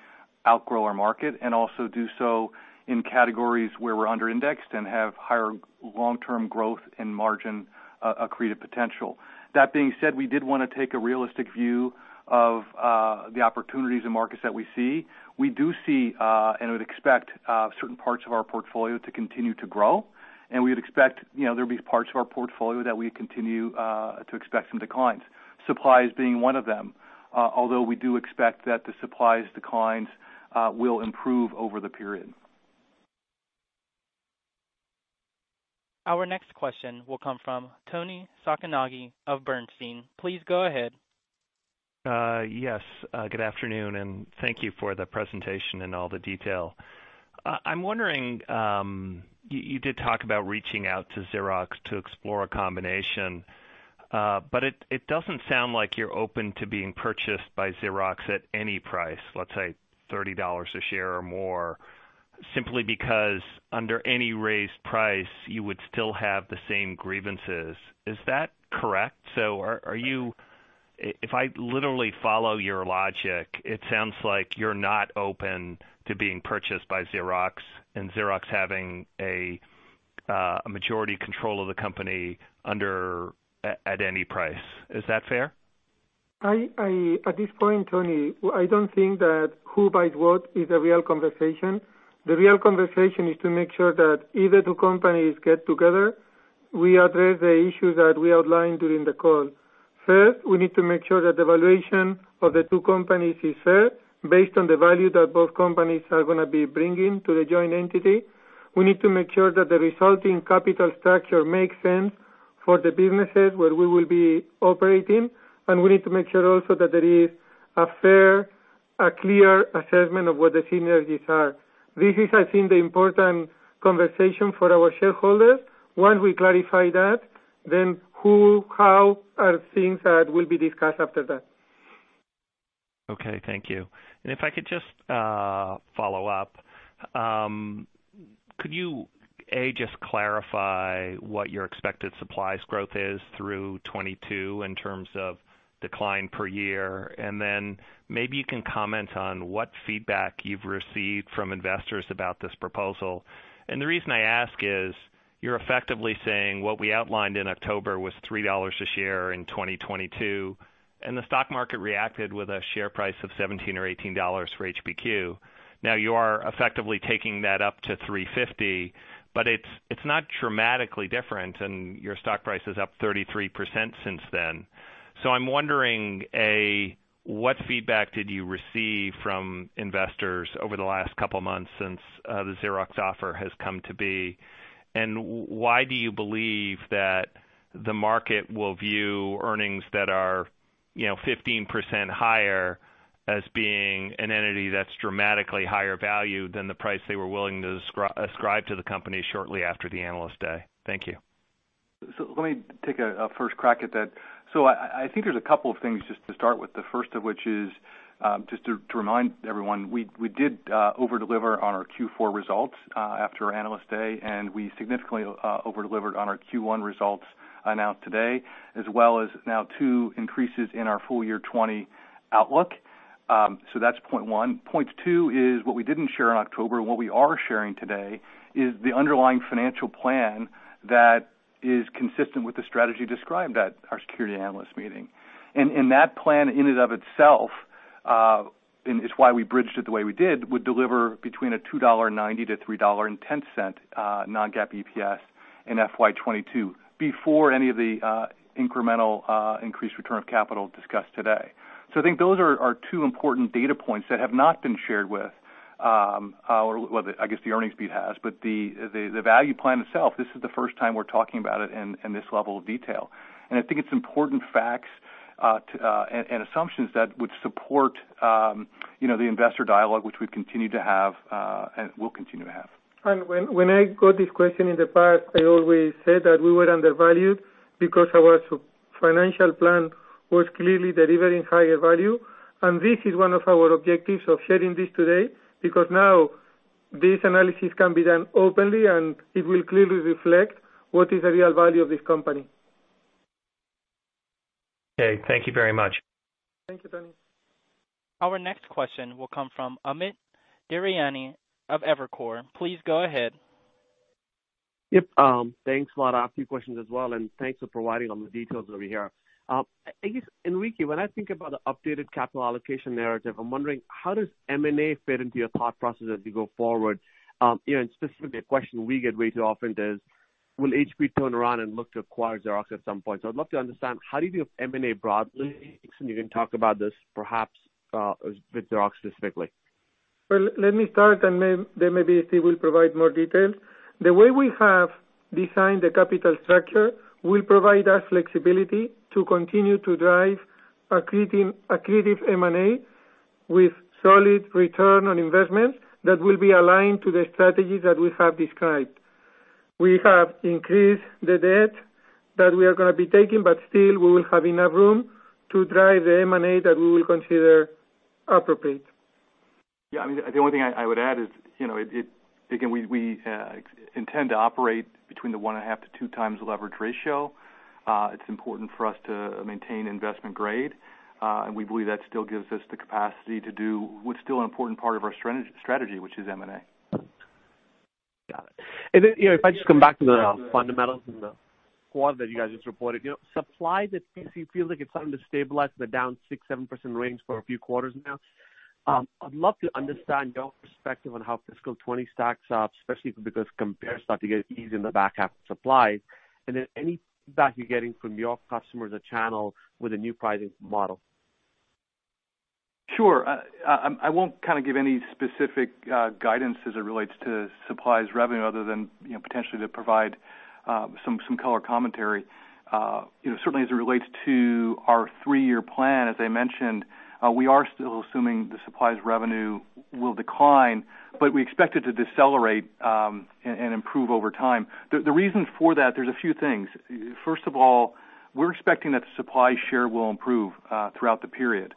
outgrow our market and also do so in categories where we're under-indexed and have higher long-term growth and margin accretive potential. That being said, we did want to take a realistic view of the opportunities and markets that we see. We do see, and would expect, certain parts of our portfolio to continue to grow, and we would expect there'll be parts of our portfolio that we continue to expect some declines. Supplies being one of them. Although we do expect that the supplies declines will improve over the period. Our next question will come from Toni Sacconaghi of Bernstein. Please go ahead. Yes. Good afternoon, and thank you for the presentation and all the detail. It doesn't sound like you're open to being purchased by Xerox at any price, let's say $30 a share or more, simply because under any raised price, you would still have the same grievances. Is that correct? If I literally follow your logic, it sounds like you're not open to being purchased by Xerox and Xerox having a majority control of the company at any price. Is that fair? At this point, Toni, I don't think that who buys what is the real conversation. The real conversation is to make sure that if the two companies get together, we address the issues that we outlined during the call. First, we need to make sure that the valuation of the two companies is fair based on the value that both companies are going to be bringing to the joint entity. We need to make sure that the resulting capital structure makes sense for the businesses where we will be operating, and we need to make sure also that there is a fair, a clear assessment of what the synergies are. This is, I think, the important conversation for our shareholders. Once we clarify that, then who, how, are things that will be discussed after that. Okay, thank you. If I could just follow up. Could you, A, just clarify what your expected supplies growth is through 2022 in terms of decline per year, maybe you can comment on what feedback you've received from investors about this proposal. The reason I ask is, you're effectively saying what we outlined in October was $3 a share in 2022, the stock market reacted with a share price of $17 or $18 for HPQ. Now, you are effectively taking that up to $3.50, it's not dramatically different and your stock price is up 33% since then. I'm wondering, A, what feedback did you receive from investors over the last couple of months since the Xerox offer has come to be, and why do you believe that the market will view earnings that are 15% higher as being an entity that's dramatically higher value than the price they were willing to ascribe to the company shortly after the Analyst Day? Thank you. Let me take a first crack at that. I think there's a couple of things just to start with, the first of which is, just to remind everyone, we did over-deliver on our Q4 results after our Analyst Day, and we significantly over-delivered on our Q1 results announced today, as well as now two increases in our full year 2020 outlook. That's point one. Point two is what we didn't share in October and what we are sharing today is the underlying financial plan that is consistent with the strategy described at our Security Analyst meeting. That plan in and of itself, and it's why we bridged it the way we did, would deliver between a $2.90-$3.10 non-GAAP EPS in FY 2022 before any of the incremental increased return of capital discussed today. I think those are two important data points that have not been shared with. Well, I guess the earnings beat has, but the value plan itself, this is the first time we're talking about it in this level of detail. I think it's important facts and assumptions that would support the investor dialogue, which we've continued to have, and will continue to have. When I got this question in the past, I always said that we were undervalued because our financial plan was clearly delivering higher value. This is one of our objectives of sharing this today, because now this analysis can be done openly, and it will clearly reflect what is the real value of this company. Okay. Thank you very much. Thank you, Toni. Our next question will come from Amit Daryanani of Evercore. Please go ahead. Yep. Thanks a lot. I have a few questions as well, and thanks for providing all the details that we hear. Enrique, when I think about the updated capital allocation narrative, I'm wondering how does M&A fit into your thought process as we go forward? Specifically, a question we get way too often is, will HP turn around and look to acquire Xerox at some point? I'd love to understand, how do you view M&A broadly? You can talk about this perhaps with Xerox specifically. Well, let me start, and then maybe Steve will provide more details. The way we have designed the capital structure will provide us flexibility to continue to drive accretive M&A with solid return on investments that will be aligned to the strategies that we have described. We have increased the debt that we are going to be taking, but still we will have enough room to drive the M&A that we will consider appropriate. Yeah. The only thing I would add is, again, we intend to operate between the 1.5-2x leverage ratio. It's important for us to maintain investment grade. We believe that still gives us the capacity to do what's still an important part of our strategy, which is M&A. Got it. If I just come back to the fundamentals and the quad that you guys just reported. Supplies, it feels like it is starting to stabilize in the down 6%-7% range for a few quarters now. I would love to understand your perspective on how FY 2020 stacks up, especially because compares start to get easy in the back half of supplies. Any feedback you are getting from your customers or channel with the new pricing model? Sure. I won't give any specific guidance as it relates to supplies revenue other than potentially to provide some color commentary. Certainly, as it relates to our three-year plan, as I mentioned, we are still assuming the supplies revenue will decline, but we expect it to decelerate and improve over time. The reason for that, there's a few things. First of all, we're expecting that the supply share will improve throughout the period.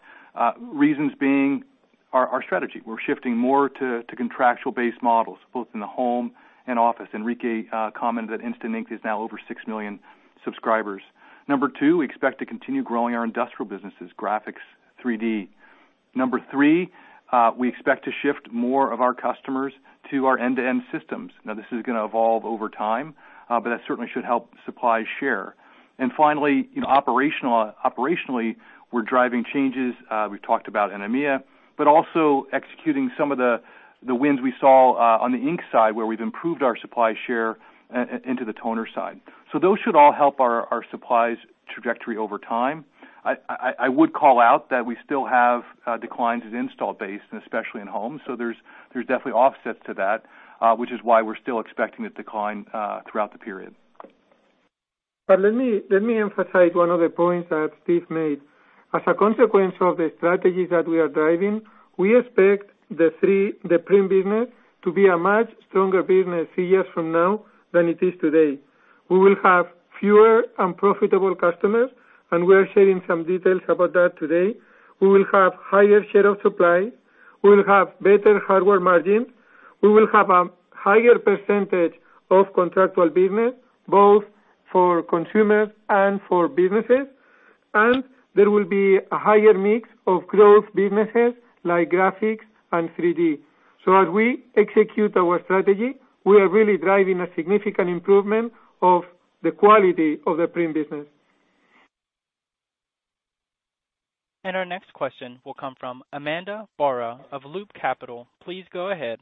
Reasons being our strategy. We're shifting more to contractual base models, both in the home and office. Enrique commented that Instant Ink is now over six million subscribers. Number two, we expect to continue growing our industrial businesses, graphics, 3D. Number three, we expect to shift more of our customers to our end-to-end systems. Now, this is going to evolve over time, but that certainly should help supply share. Finally, operationally, we're driving changes. We talked about in EMEA, also executing some of the wins we saw on the ink side where we've improved our supply share into the toner side. Those should all help our supplies trajectory over time. I would call out that we still have declines in install base, and especially in home. There's definitely offsets to that, which is why we're still expecting a decline throughout the period. Let me emphasize one of the points that Steve made. As a consequence of the strategies that we are driving, we expect the Print business to be a much stronger business three years from now than it is today. We will have fewer unprofitable customers, and we are sharing some details about that today. We will have higher share of supply. We will have better hardware margins. We will have a higher percentage of contractual business, both for consumers and for businesses. There will be a higher mix of growth businesses like graphics and 3D. As we execute our strategy, we are really driving a significant improvement of the quality of the Print business. Our next question will come from Ananda Baruah of Loop Capital. Please go ahead.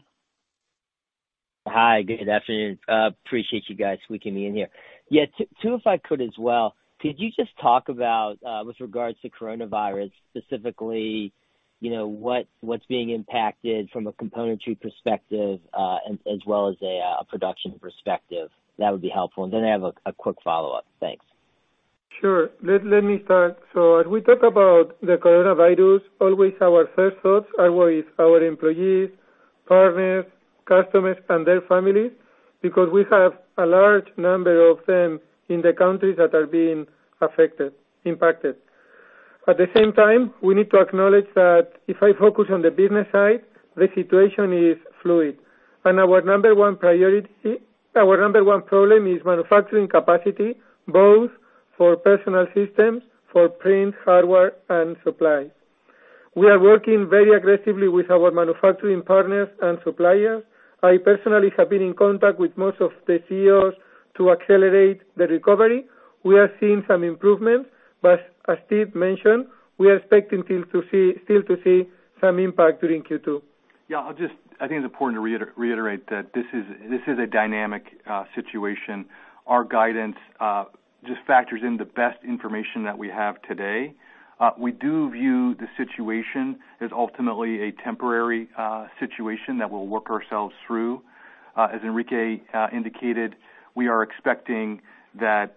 Hi, good afternoon. Appreciate you guys squeaking me in here. Yeah, two, if I could as well. Could you just talk about, with regards to coronavirus, specifically what's being impacted from a componentry perspective as well as a production perspective? That would be helpful. I have a quick follow-up. Thanks. Sure. Let me start. As we talk about the coronavirus, always our first thoughts are with our employees, partners, customers, and their families, because we have a large number of them in the countries that are being affected, impacted. At the same time, we need to acknowledge that if I focus on the business side, the situation is fluid. Our number one priority, our number one problem is manufacturing capacity, both for Personal Systems, for print, hardware, and supplies. We are working very aggressively with our manufacturing partners and suppliers. I personally have been in contact with most of the CEOs to accelerate the recovery. We are seeing some improvements, but as Steve mentioned, we are expecting still to see some impact during Q2. Yeah. I think it's important to reiterate that this is a dynamic situation. Our guidance just factors in the best information that we have today. We do view the situation as ultimately a temporary situation that we'll work ourselves through. As Enrique indicated, we are expecting that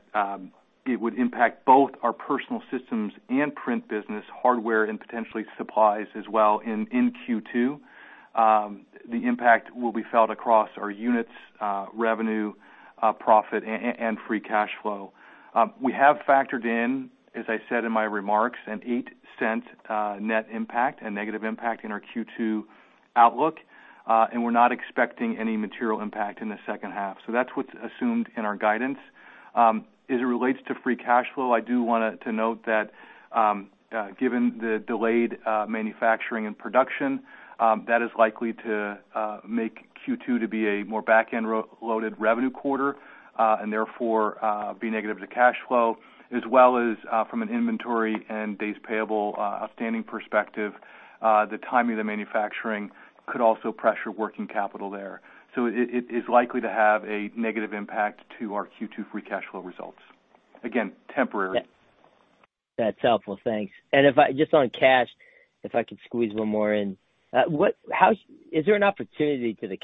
it would impact both our Personal Systems and print business hardware, and potentially supplies as well in Q2. The impact will be felt across our units, revenue, profit, and free cash flow. We have factored in, as I said in my remarks, an $0.08 net impact, a negative impact in our Q2 outlook. We're not expecting any material impact in the second half. That's what's assumed in our guidance. As it relates to free cash flow, I do want to note that given the delayed manufacturing and production, that is likely to make Q2 to be a more back-end-loaded revenue quarter, and therefore, be negative to cash flow, as well as from an inventory and days payable outstanding perspective, the timing of the manufacturing could also pressure working capital there. It's likely to have a negative impact to our Q2 free cash flow results. Again, temporary. Yeah. That's helpful. Thanks. Just on cash, if I could squeeze one more in. Is there an opportunity for the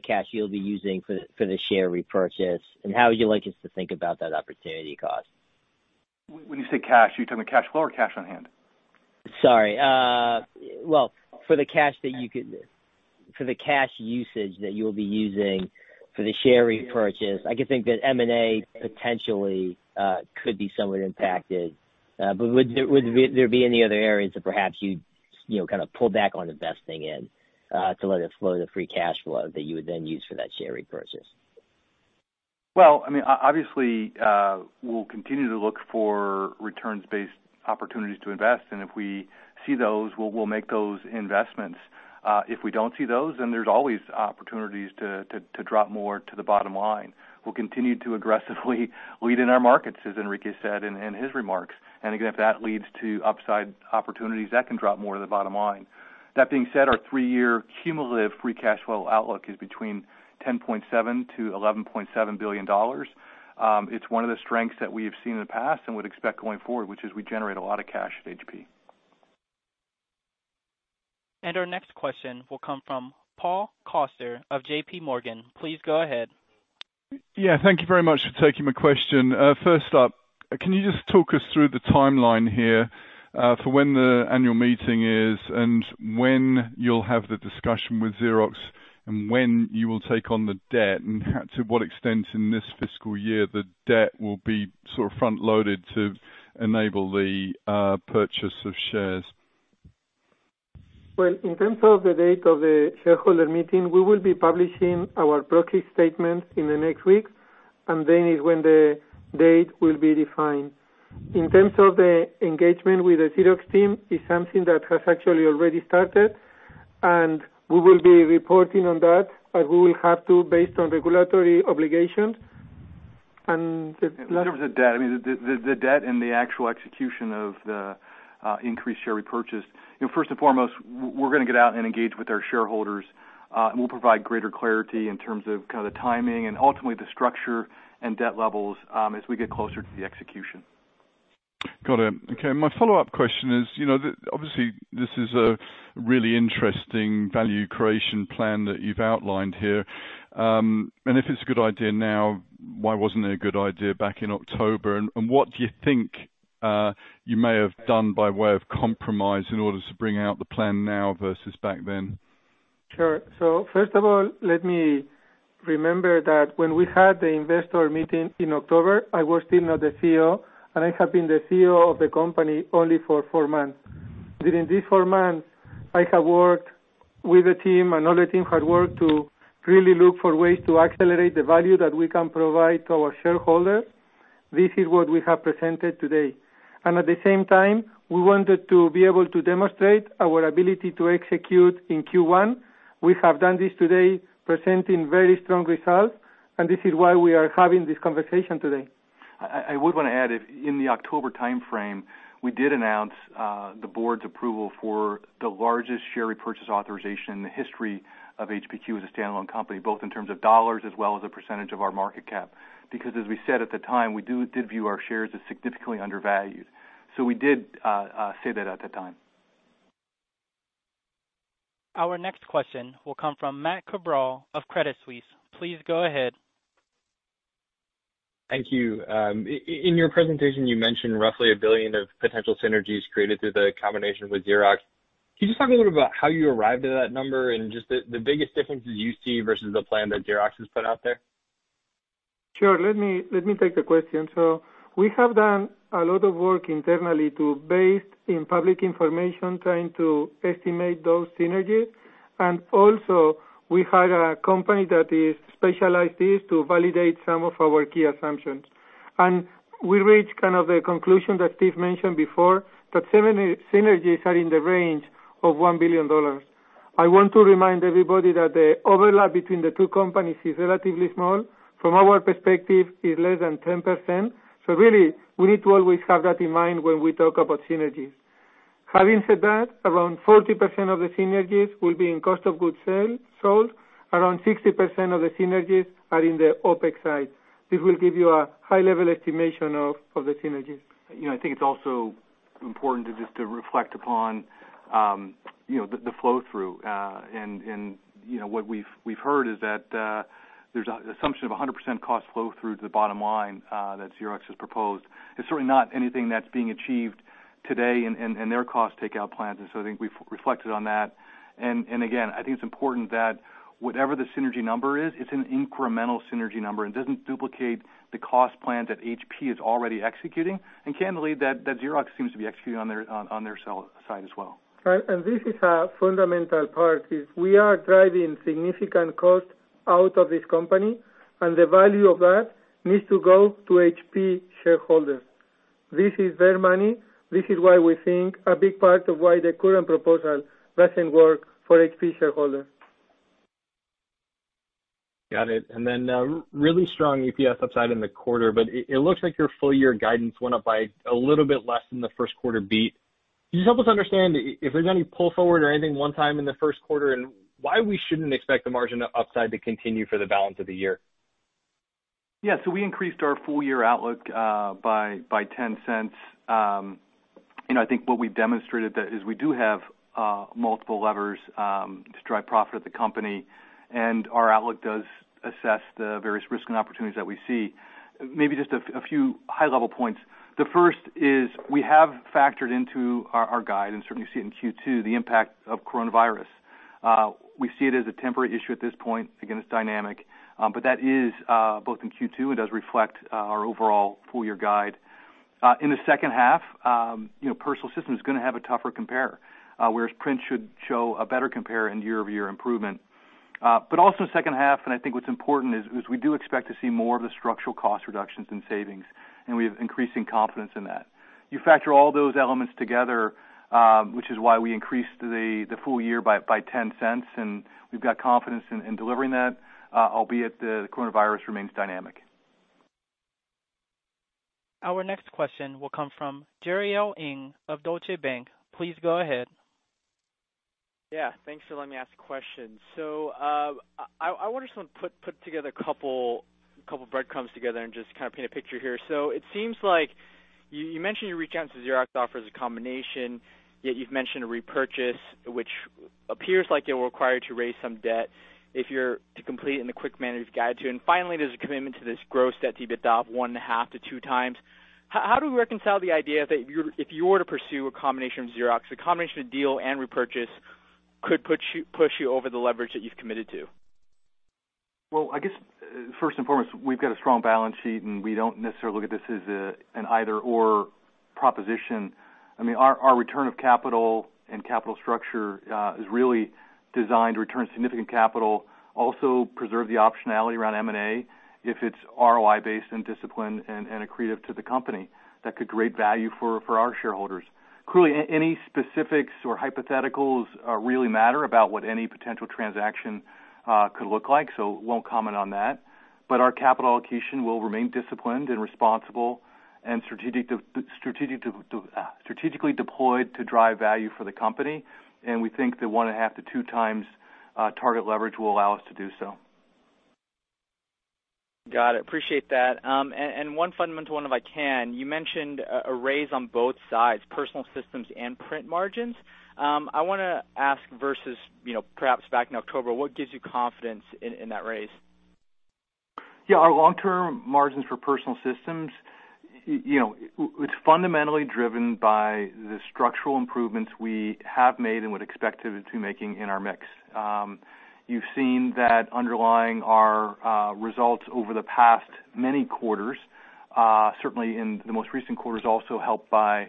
cash you'll be using for the share repurchase, and how would you like us to think about that opportunity cost? When you say cash, are you talking about cash flow or cash on hand? Sorry. Well, for the cash usage that you'll be using for the share repurchase, I can think that M&A potentially could be somewhat impacted. Would there be any other areas that perhaps you'd kind of pull back on investing in to let it flow the free cash flow that you would then use for that share repurchase? Obviously we'll continue to look for returns-based opportunities to invest, and if we see those, we'll make those investments. If we don't see those, then there's always opportunities to drop more to the bottom line. We'll continue to aggressively lead in our markets, as Enrique said in his remarks. Again, if that leads to upside opportunities, that can drop more to the bottom line. That being said, our three-year cumulative free cash flow outlook is between $10.7 billion-$11.7 billion. It's one of the strengths that we have seen in the past and would expect going forward, which is we generate a lot of cash at HP. Our next question will come from Paul Coster of JPMorgan. Please go ahead. Yeah, thank you very much for taking my question. First up, can you just talk us through the timeline here for when the annual meeting is and when you'll have the discussion with Xerox, and when you will take on the debt, and to what extent in this fiscal year the debt will be sort of front-loaded to enable the purchase of shares? Well, in terms of the date of the shareholder meeting, we will be publishing our proxy statement in the next week, then is when the date will be defined. In terms of the engagement with the Xerox team, it's something that has actually already started, and we will be reporting on that, but we will have to based on regulatory obligations. In terms of the debt and the actual execution of the increased share repurchase. First and foremost, we're going to get out and engage with our shareholders, and we'll provide greater clarity in terms of kind of the timing and ultimately the structure and debt levels as we get closer to the execution. Got it. Okay. My follow-up question is, obviously this is a really interesting value creation plan that you've outlined here. If it's a good idea now, why wasn't it a good idea back in October? What do you think you may have done by way of compromise in order to bring out the plan now versus back then? Sure. First of all, let me remember that when we had the investor meeting in October, I was still not the CEO, and I have been the CEO of the company only for four months. During these four months, I have worked with the team, and all the team had worked to really look for ways to accelerate the value that we can provide to our shareholders. This is what we have presented today. At the same time, we wanted to be able to demonstrate our ability to execute in Q1. We have done this today, presenting very strong results, and this is why we are having this conversation today. I would want to add, in the October timeframe, we did announce the board's approval for the largest share repurchase authorization in the history of HPQ as a standalone company, both in terms of dollars as well as a percentage of our market cap. As we said at the time, we did view our shares as significantly undervalued. We did say that at the time. Our next question will come from Matthew Cabral of Credit Suisse. Please go ahead. Thank you. In your presentation, you mentioned roughly $1 billion of potential synergies created through the combination with Xerox. Can you just talk a little bit about how you arrived at that number and just the biggest differences you see versus the plan that Xerox has put out there? Sure. Let me take the question. We have done a lot of work internally to, based on public information, trying to estimate those synergies. Also we hired a company that is specialized in this to validate some of our key assumptions. We reached kind of a conclusion that Steve mentioned before, that synergies are in the range of $1 billion. I want to remind everybody that the overlap between the two companies is relatively small. From our perspective, it's less than 10%. Really, we need to always have that in mind when we talk about synergies. Having said that, around 40% of the synergies will be in cost of goods sold. Around 60% of the synergies are in the OpEx side. This will give you a high-level estimation of the synergies. I think it's also important to just to reflect upon the flow-through. What we've heard is that there's an assumption of 100% cost flow through to the bottom line that Xerox has proposed. It's certainly not anything that's being achieved today in their cost takeout plans. I think we've reflected on that. Again, I think it's important that whatever the synergy number is, it's an incremental synergy number and doesn't duplicate the cost plans that HP is already executing. Candidly, that Xerox seems to be executing on their side as well. Right. This is a fundamental part, is we are driving significant cost out of this company, and the value of that needs to go to HP shareholders. This is their money. This is why we think a big part of why the current proposal doesn't work for HP shareholders. Got it. Really strong EPS upside in the quarter, but it looks like your full year guidance went up by a little bit less than the first quarter beat. Could you just help us understand if there's any pull forward or anything one time in the first quarter, and why we shouldn't expect the margin upside to continue for the balance of the year? We increased our full year outlook by $0.10. I think what we've demonstrated that is we do have multiple levers to drive profit at the company, and our outlook does assess the various risks and opportunities that we see. Maybe just a few high level points. The first is we have factored into our guide, and certainly you see it in Q2, the impact of coronavirus. We see it as a temporary issue at this point. Again, it's dynamic. That is both in Q2, it does reflect our overall full year guide. In the second half, Personal Systems is going to have a tougher compare, whereas Print should show a better compare and year-over-year improvement. Also second half, and I think what's important is, we do expect to see more of the structural cost reductions in savings, and we have increasing confidence in that. You factor all those elements together, which is why we increased the full year by $0.10, and we've got confidence in delivering that, albeit the coronavirus remains dynamic. Our next question will come from Jeriel Ong of Deutsche Bank. Please go ahead. Yeah, thanks for letting me ask questions. I want to just put together a couple breadcrumbs together and just kind of paint a picture here. It seems like you mentioned your reach out to Xerox offers a combination, yet you've mentioned a repurchase, which appears like it will require to raise some debt if you're to complete it in a quick manner as you've guided to. Finally, there's a commitment to this gross debt to EBITDA of one and a half to 2x. How do we reconcile the idea that if you were to pursue a combination with Xerox, a combination of deal and repurchase could push you over the leverage that you've committed to? Well, I guess first and foremost, we've got a strong balance sheet, and we don't necessarily look at this as an either/or proposition. Our return of capital and capital structure is really designed to return significant capital, also preserve the optionality around M&A if it's ROI based and disciplined and accretive to the company, that could create value for our shareholders. Clearly, any specifics or hypotheticals really matter about what any potential transaction could look like, so won't comment on that. Our capital allocation will remain disciplined and responsible and strategically deployed to drive value for the company, and we think that one and a half to two times target leverage will allow us to do so. Got it. Appreciate that. One fundamental one, if I can. You mentioned a raise on both sides, Personal Systems and Print margins. I want to ask versus perhaps back in October, what gives you confidence in that raise? Yeah, our long-term margins for Personal Systems, it's fundamentally driven by the structural improvements we have made and would expect to be making in our mix. You've seen that underlying our results over the past many quarters, certainly in the most recent quarters, also helped by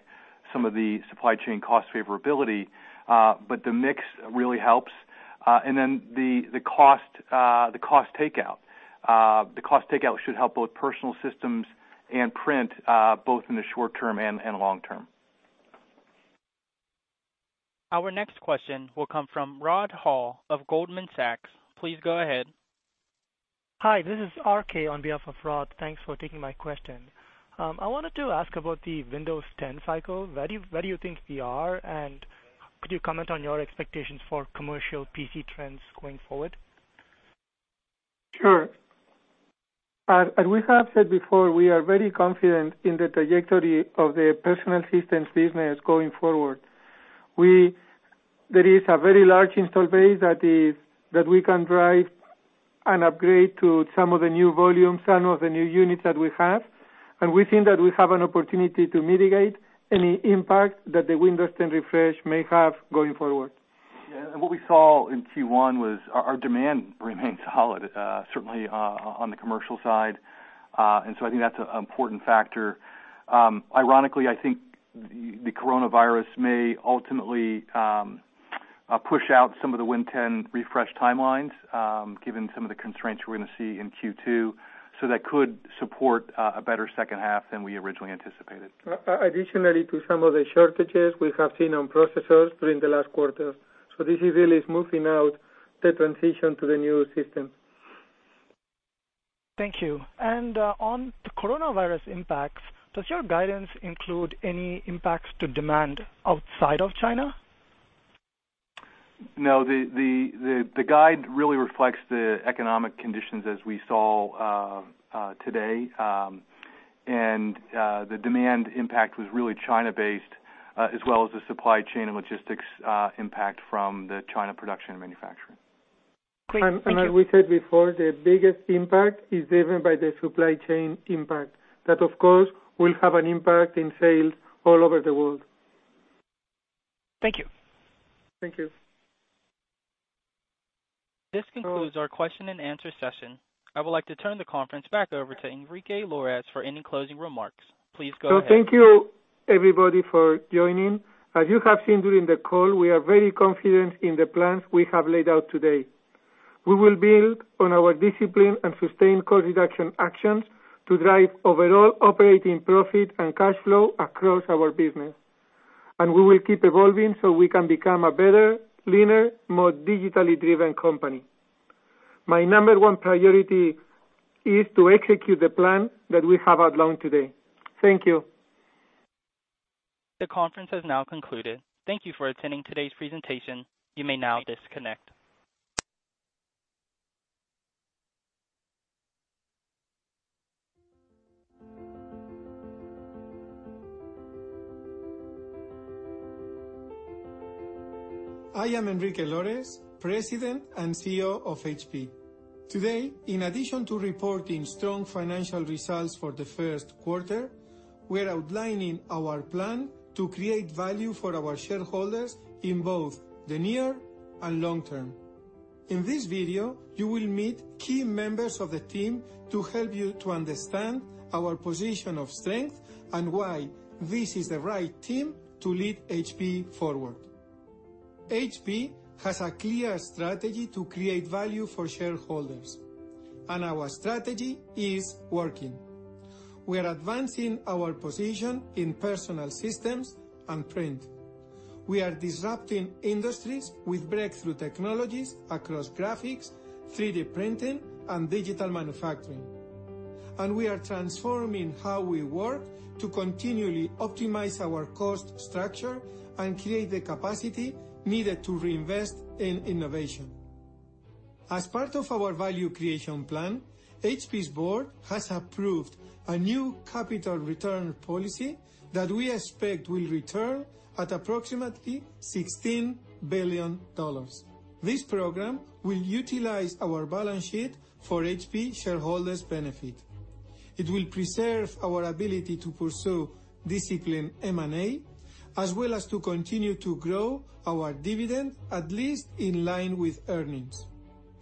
some of the supply chain cost favorability. The mix really helps. The cost takeout. The cost takeout should help both Personal Systems and Print, both in the short term and long term. Our next question will come from Rod Hall of Goldman Sachs. Please go ahead. Hi, this is RK on behalf of Rod. Thanks for taking my question. I wanted to ask about the Windows 10 cycle. Where do you think we are, and could you comment on your expectations for commercial PC trends going forward? Sure. As we have said before, we are very confident in the trajectory of the Personal Systems business going forward. There is a very large install base that we can drive an upgrade to some of the new volumes, some of the new units that we have. We think that we have an opportunity to mitigate any impact that the Windows 10 refresh may have going forward. Yeah. What we saw in Q1 was our demand remains solid, certainly on the commercial side. I think that's an important factor. Ironically, I think the coronavirus may ultimately push out some of the Windows 10 refresh timelines, given some of the constraints we're going to see in Q2, so that could support a better second half than we originally anticipated. Additionally to some of the shortages we have seen on processors during the last quarter. This is really smoothing out the transition to the new system. Thank you. On the coronavirus impacts, does your guidance include any impacts to demand outside of China? No, the guide really reflects the economic conditions as we saw today. The demand impact was really China-based, as well as the supply chain and logistics impact from the China production and manufacturing. Great. Thank you. As we said before, the biggest impact is driven by the supply chain impact. That, of course, will have an impact in sales all over the world. Thank you. Thank you. This concludes our question and answer session. I would like to turn the conference back over to Enrique Lores for any closing remarks. Please go ahead. Thank you everybody for joining. As you have seen during the call, we are very confident in the plans we have laid out today. We will build on our discipline and sustained cost reduction actions to drive overall operating profit and cash flow across our business. We will keep evolving so we can become a better, leaner, more digitally driven company. My number one priority is to execute the plan that we have outlined today. Thank you. The conference has now concluded. Thank you for attending today's presentation. You may now disconnect. I am Enrique Lores, President and CEO of HP. Today, in addition to reporting strong financial results for the first quarter, we're outlining our plan to create value for our shareholders in both the near and long term. In this video, you will meet key members of the team to help you to understand our position of strength and why this is the right team to lead HP forward. HP has a clear strategy to create value for shareholders. Our strategy is working. We are advancing our position in Personal Systems and print. We are disrupting industries with breakthrough technologies across graphics, 3D printing, and digital manufacturing. We are transforming how we work to continually optimize our cost structure and create the capacity needed to reinvest in innovation. As part of our value creation plan, HP's board has approved a new capital return policy that we expect will return at approximately $16 billion. This program will utilize our balance sheet for HP shareholders' benefit. It will preserve our ability to pursue disciplined M&A, as well as to continue to grow our dividend, at least in line with earnings.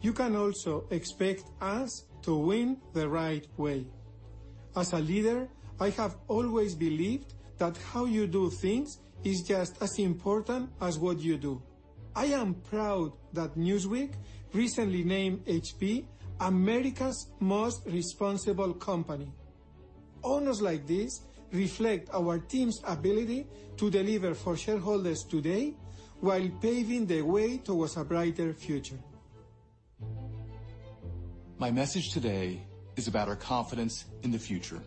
You can also expect us to win the right way. As a leader, I have always believed that how you do things is just as important as what you do. I am proud that Newsweek recently named HP America's Most Responsible Company. Honors like this reflect our team's ability to deliver for shareholders today while paving the way towards a brighter future. My message today is about our confidence in the future.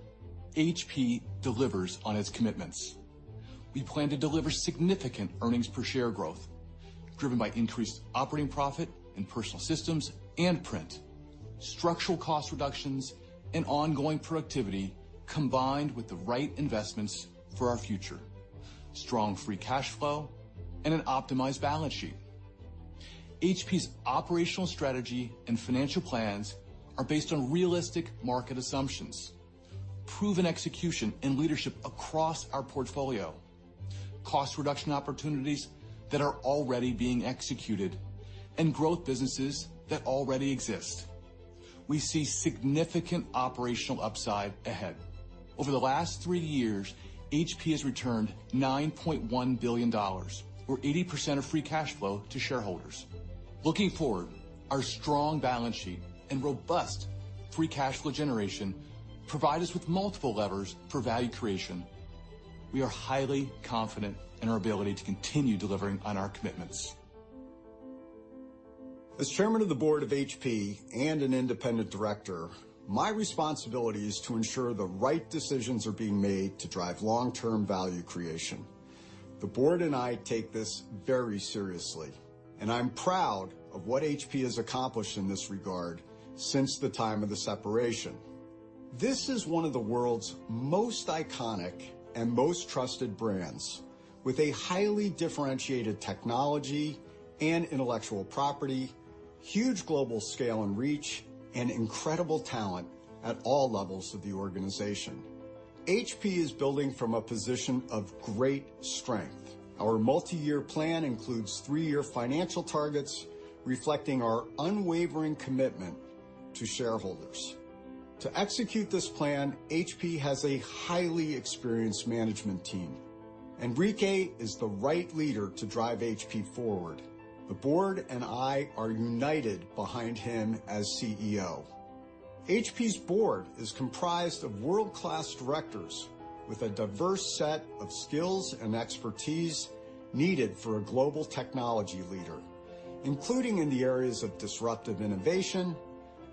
HP delivers on its commitments. We plan to deliver significant earnings per share growth, driven by increased operating profit in Personal Systems and print, structural cost reductions, and ongoing productivity, combined with the right investments for our future, strong free cash flow, and an optimized balance sheet. HP's operational strategy and financial plans are based on realistic market assumptions, proven execution and leadership across our portfolio, cost reduction opportunities that are already being executed, and growth businesses that already exist. We see significant operational upside ahead. Over the last three years, HP has returned $9.1 billion, or 80% of free cash flow to shareholders. Looking forward, our strong balance sheet and robust free cash flow generation provide us with multiple levers for value creation. We are highly confident in our ability to continue delivering on our commitments. As chairman of the board of HP and an independent director, my responsibility is to ensure the right decisions are being made to drive long-term value creation. The board and I take this very seriously, and I'm proud of what HP has accomplished in this regard since the time of the separation. This is one of the world's most iconic and most trusted brands, with a highly differentiated technology and intellectual property, huge global scale and reach, and incredible talent at all levels of the organization. HP is building from a position of great strength. Our multi-year plan includes three-year financial targets reflecting our unwavering commitment to shareholders. To execute this plan, HP has a highly experienced management team. Enrique is the right leader to drive HP forward. The board and I are united behind him as CEO. HP's board is comprised of world-class directors with a diverse set of skills and expertise needed for a global technology leader, including in the areas of disruptive innovation,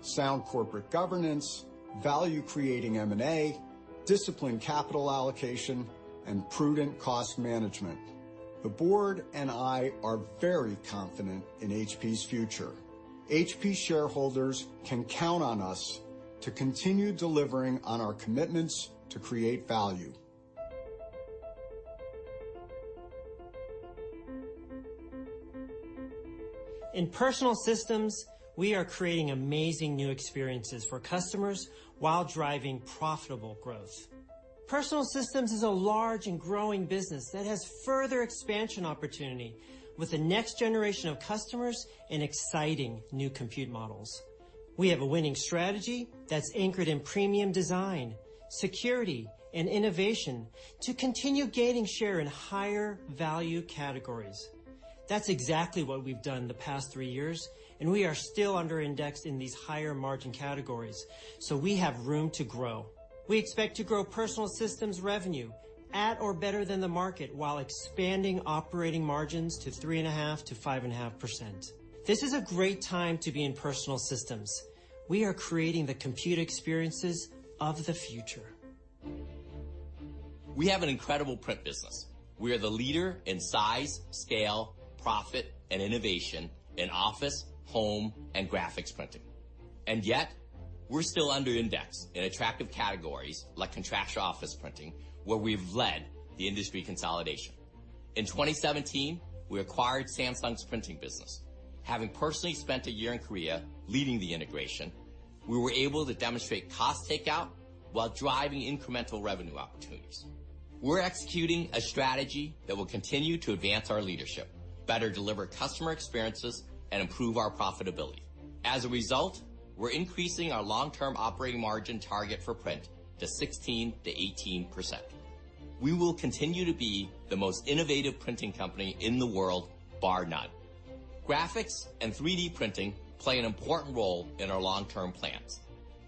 sound corporate governance, value creating M&A, disciplined capital allocation, and prudent cost management. The board and I are very confident in HP's future. HP shareholders can count on us to continue delivering on our commitments to create value. In Personal Systems, we are creating amazing new experiences for customers, while driving profitable growth. Personal Systems is a large and growing business that has further expansion opportunity with the next generation of customers and exciting new compute models. We have a winning strategy that's anchored in premium design, security, and innovation to continue gaining share in higher value categories. That's exactly what we've done the past three years, and we are still under-indexed in these higher margin categories, so we have room to grow. We expect to grow Personal Systems revenue at or better than the market while expanding operating margins to 3.5%-5.5%. This is a great time to be in Personal Systems. We are creating the compute experiences of the future. We have an incredible print business. We are the leader in size, scale, profit, and innovation in office, home, and graphics printing. Yet, we're still under index in attractive categories like contractual office printing, where we've led the industry consolidation. In 2017, we acquired Samsung's printing business. Having personally spent a year in Korea leading the integration, we were able to demonstrate cost takeout while driving incremental revenue opportunities. We're executing a strategy that will continue to advance our leadership, better deliver customer experiences, and improve our profitability. As a result, we're increasing our long-term operating margin target for print to 16%-18%. We will continue to be the most innovative printing company in the world, bar none. Graphics and 3D printing play an important role in our long-term plans.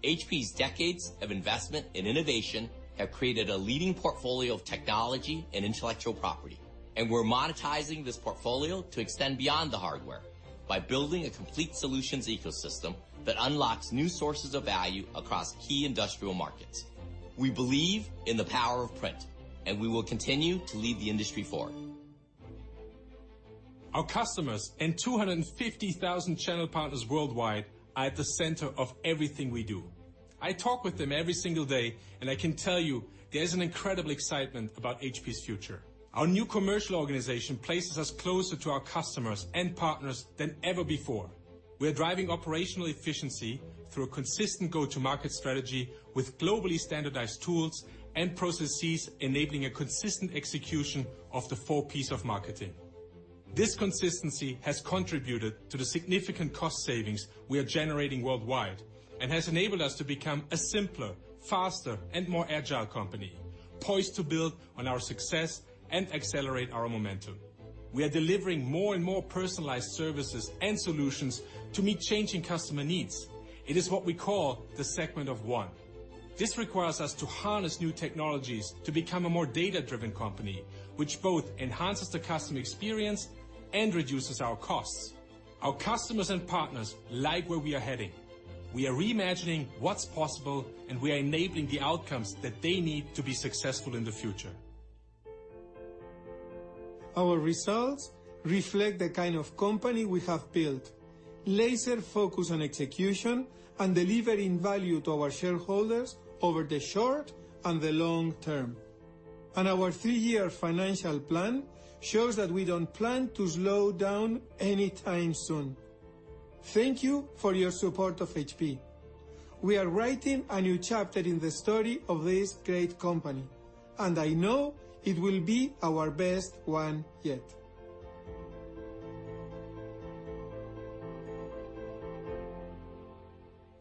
HP's decades of investment in innovation have created a leading portfolio of technology and intellectual property, and we're monetizing this portfolio to extend beyond the hardware by building a complete solutions ecosystem that unlocks new sources of value across key industrial markets. We believe in the power of print, and we will continue to lead the industry forward. Our customers and 250,000 channel partners worldwide are at the center of everything we do. I talk with them every single day, and I can tell you there's an incredible excitement about HP's future. Our new commercial organization places us closer to our customers and partners than ever before. We're driving operational efficiency through a consistent go-to-market strategy with globally standardized tools and processes enabling a consistent execution of the four Ps of marketing. This consistency has contributed to the significant cost savings we are generating worldwide and has enabled us to become a simpler, faster, and more agile company, poised to build on our success and accelerate our momentum. We are delivering more and more personalized services and solutions to meet changing customer needs. It is what we call the segment of one. This requires us to harness new technologies to become a more data-driven company, which both enhances the customer experience and reduces our costs. Our customers and partners like where we are heading. We are reimagining what's possible, and we are enabling the outcomes that they need to be successful in the future. Our results reflect the kind of company we have built. Laser focus on execution and delivering value to our shareholders over the short and the long term. Our three-year financial plan shows that we don't plan to slow down anytime soon. Thank you for your support of HP. We are writing a new chapter in the story of this great company, and I know it will be our best one yet.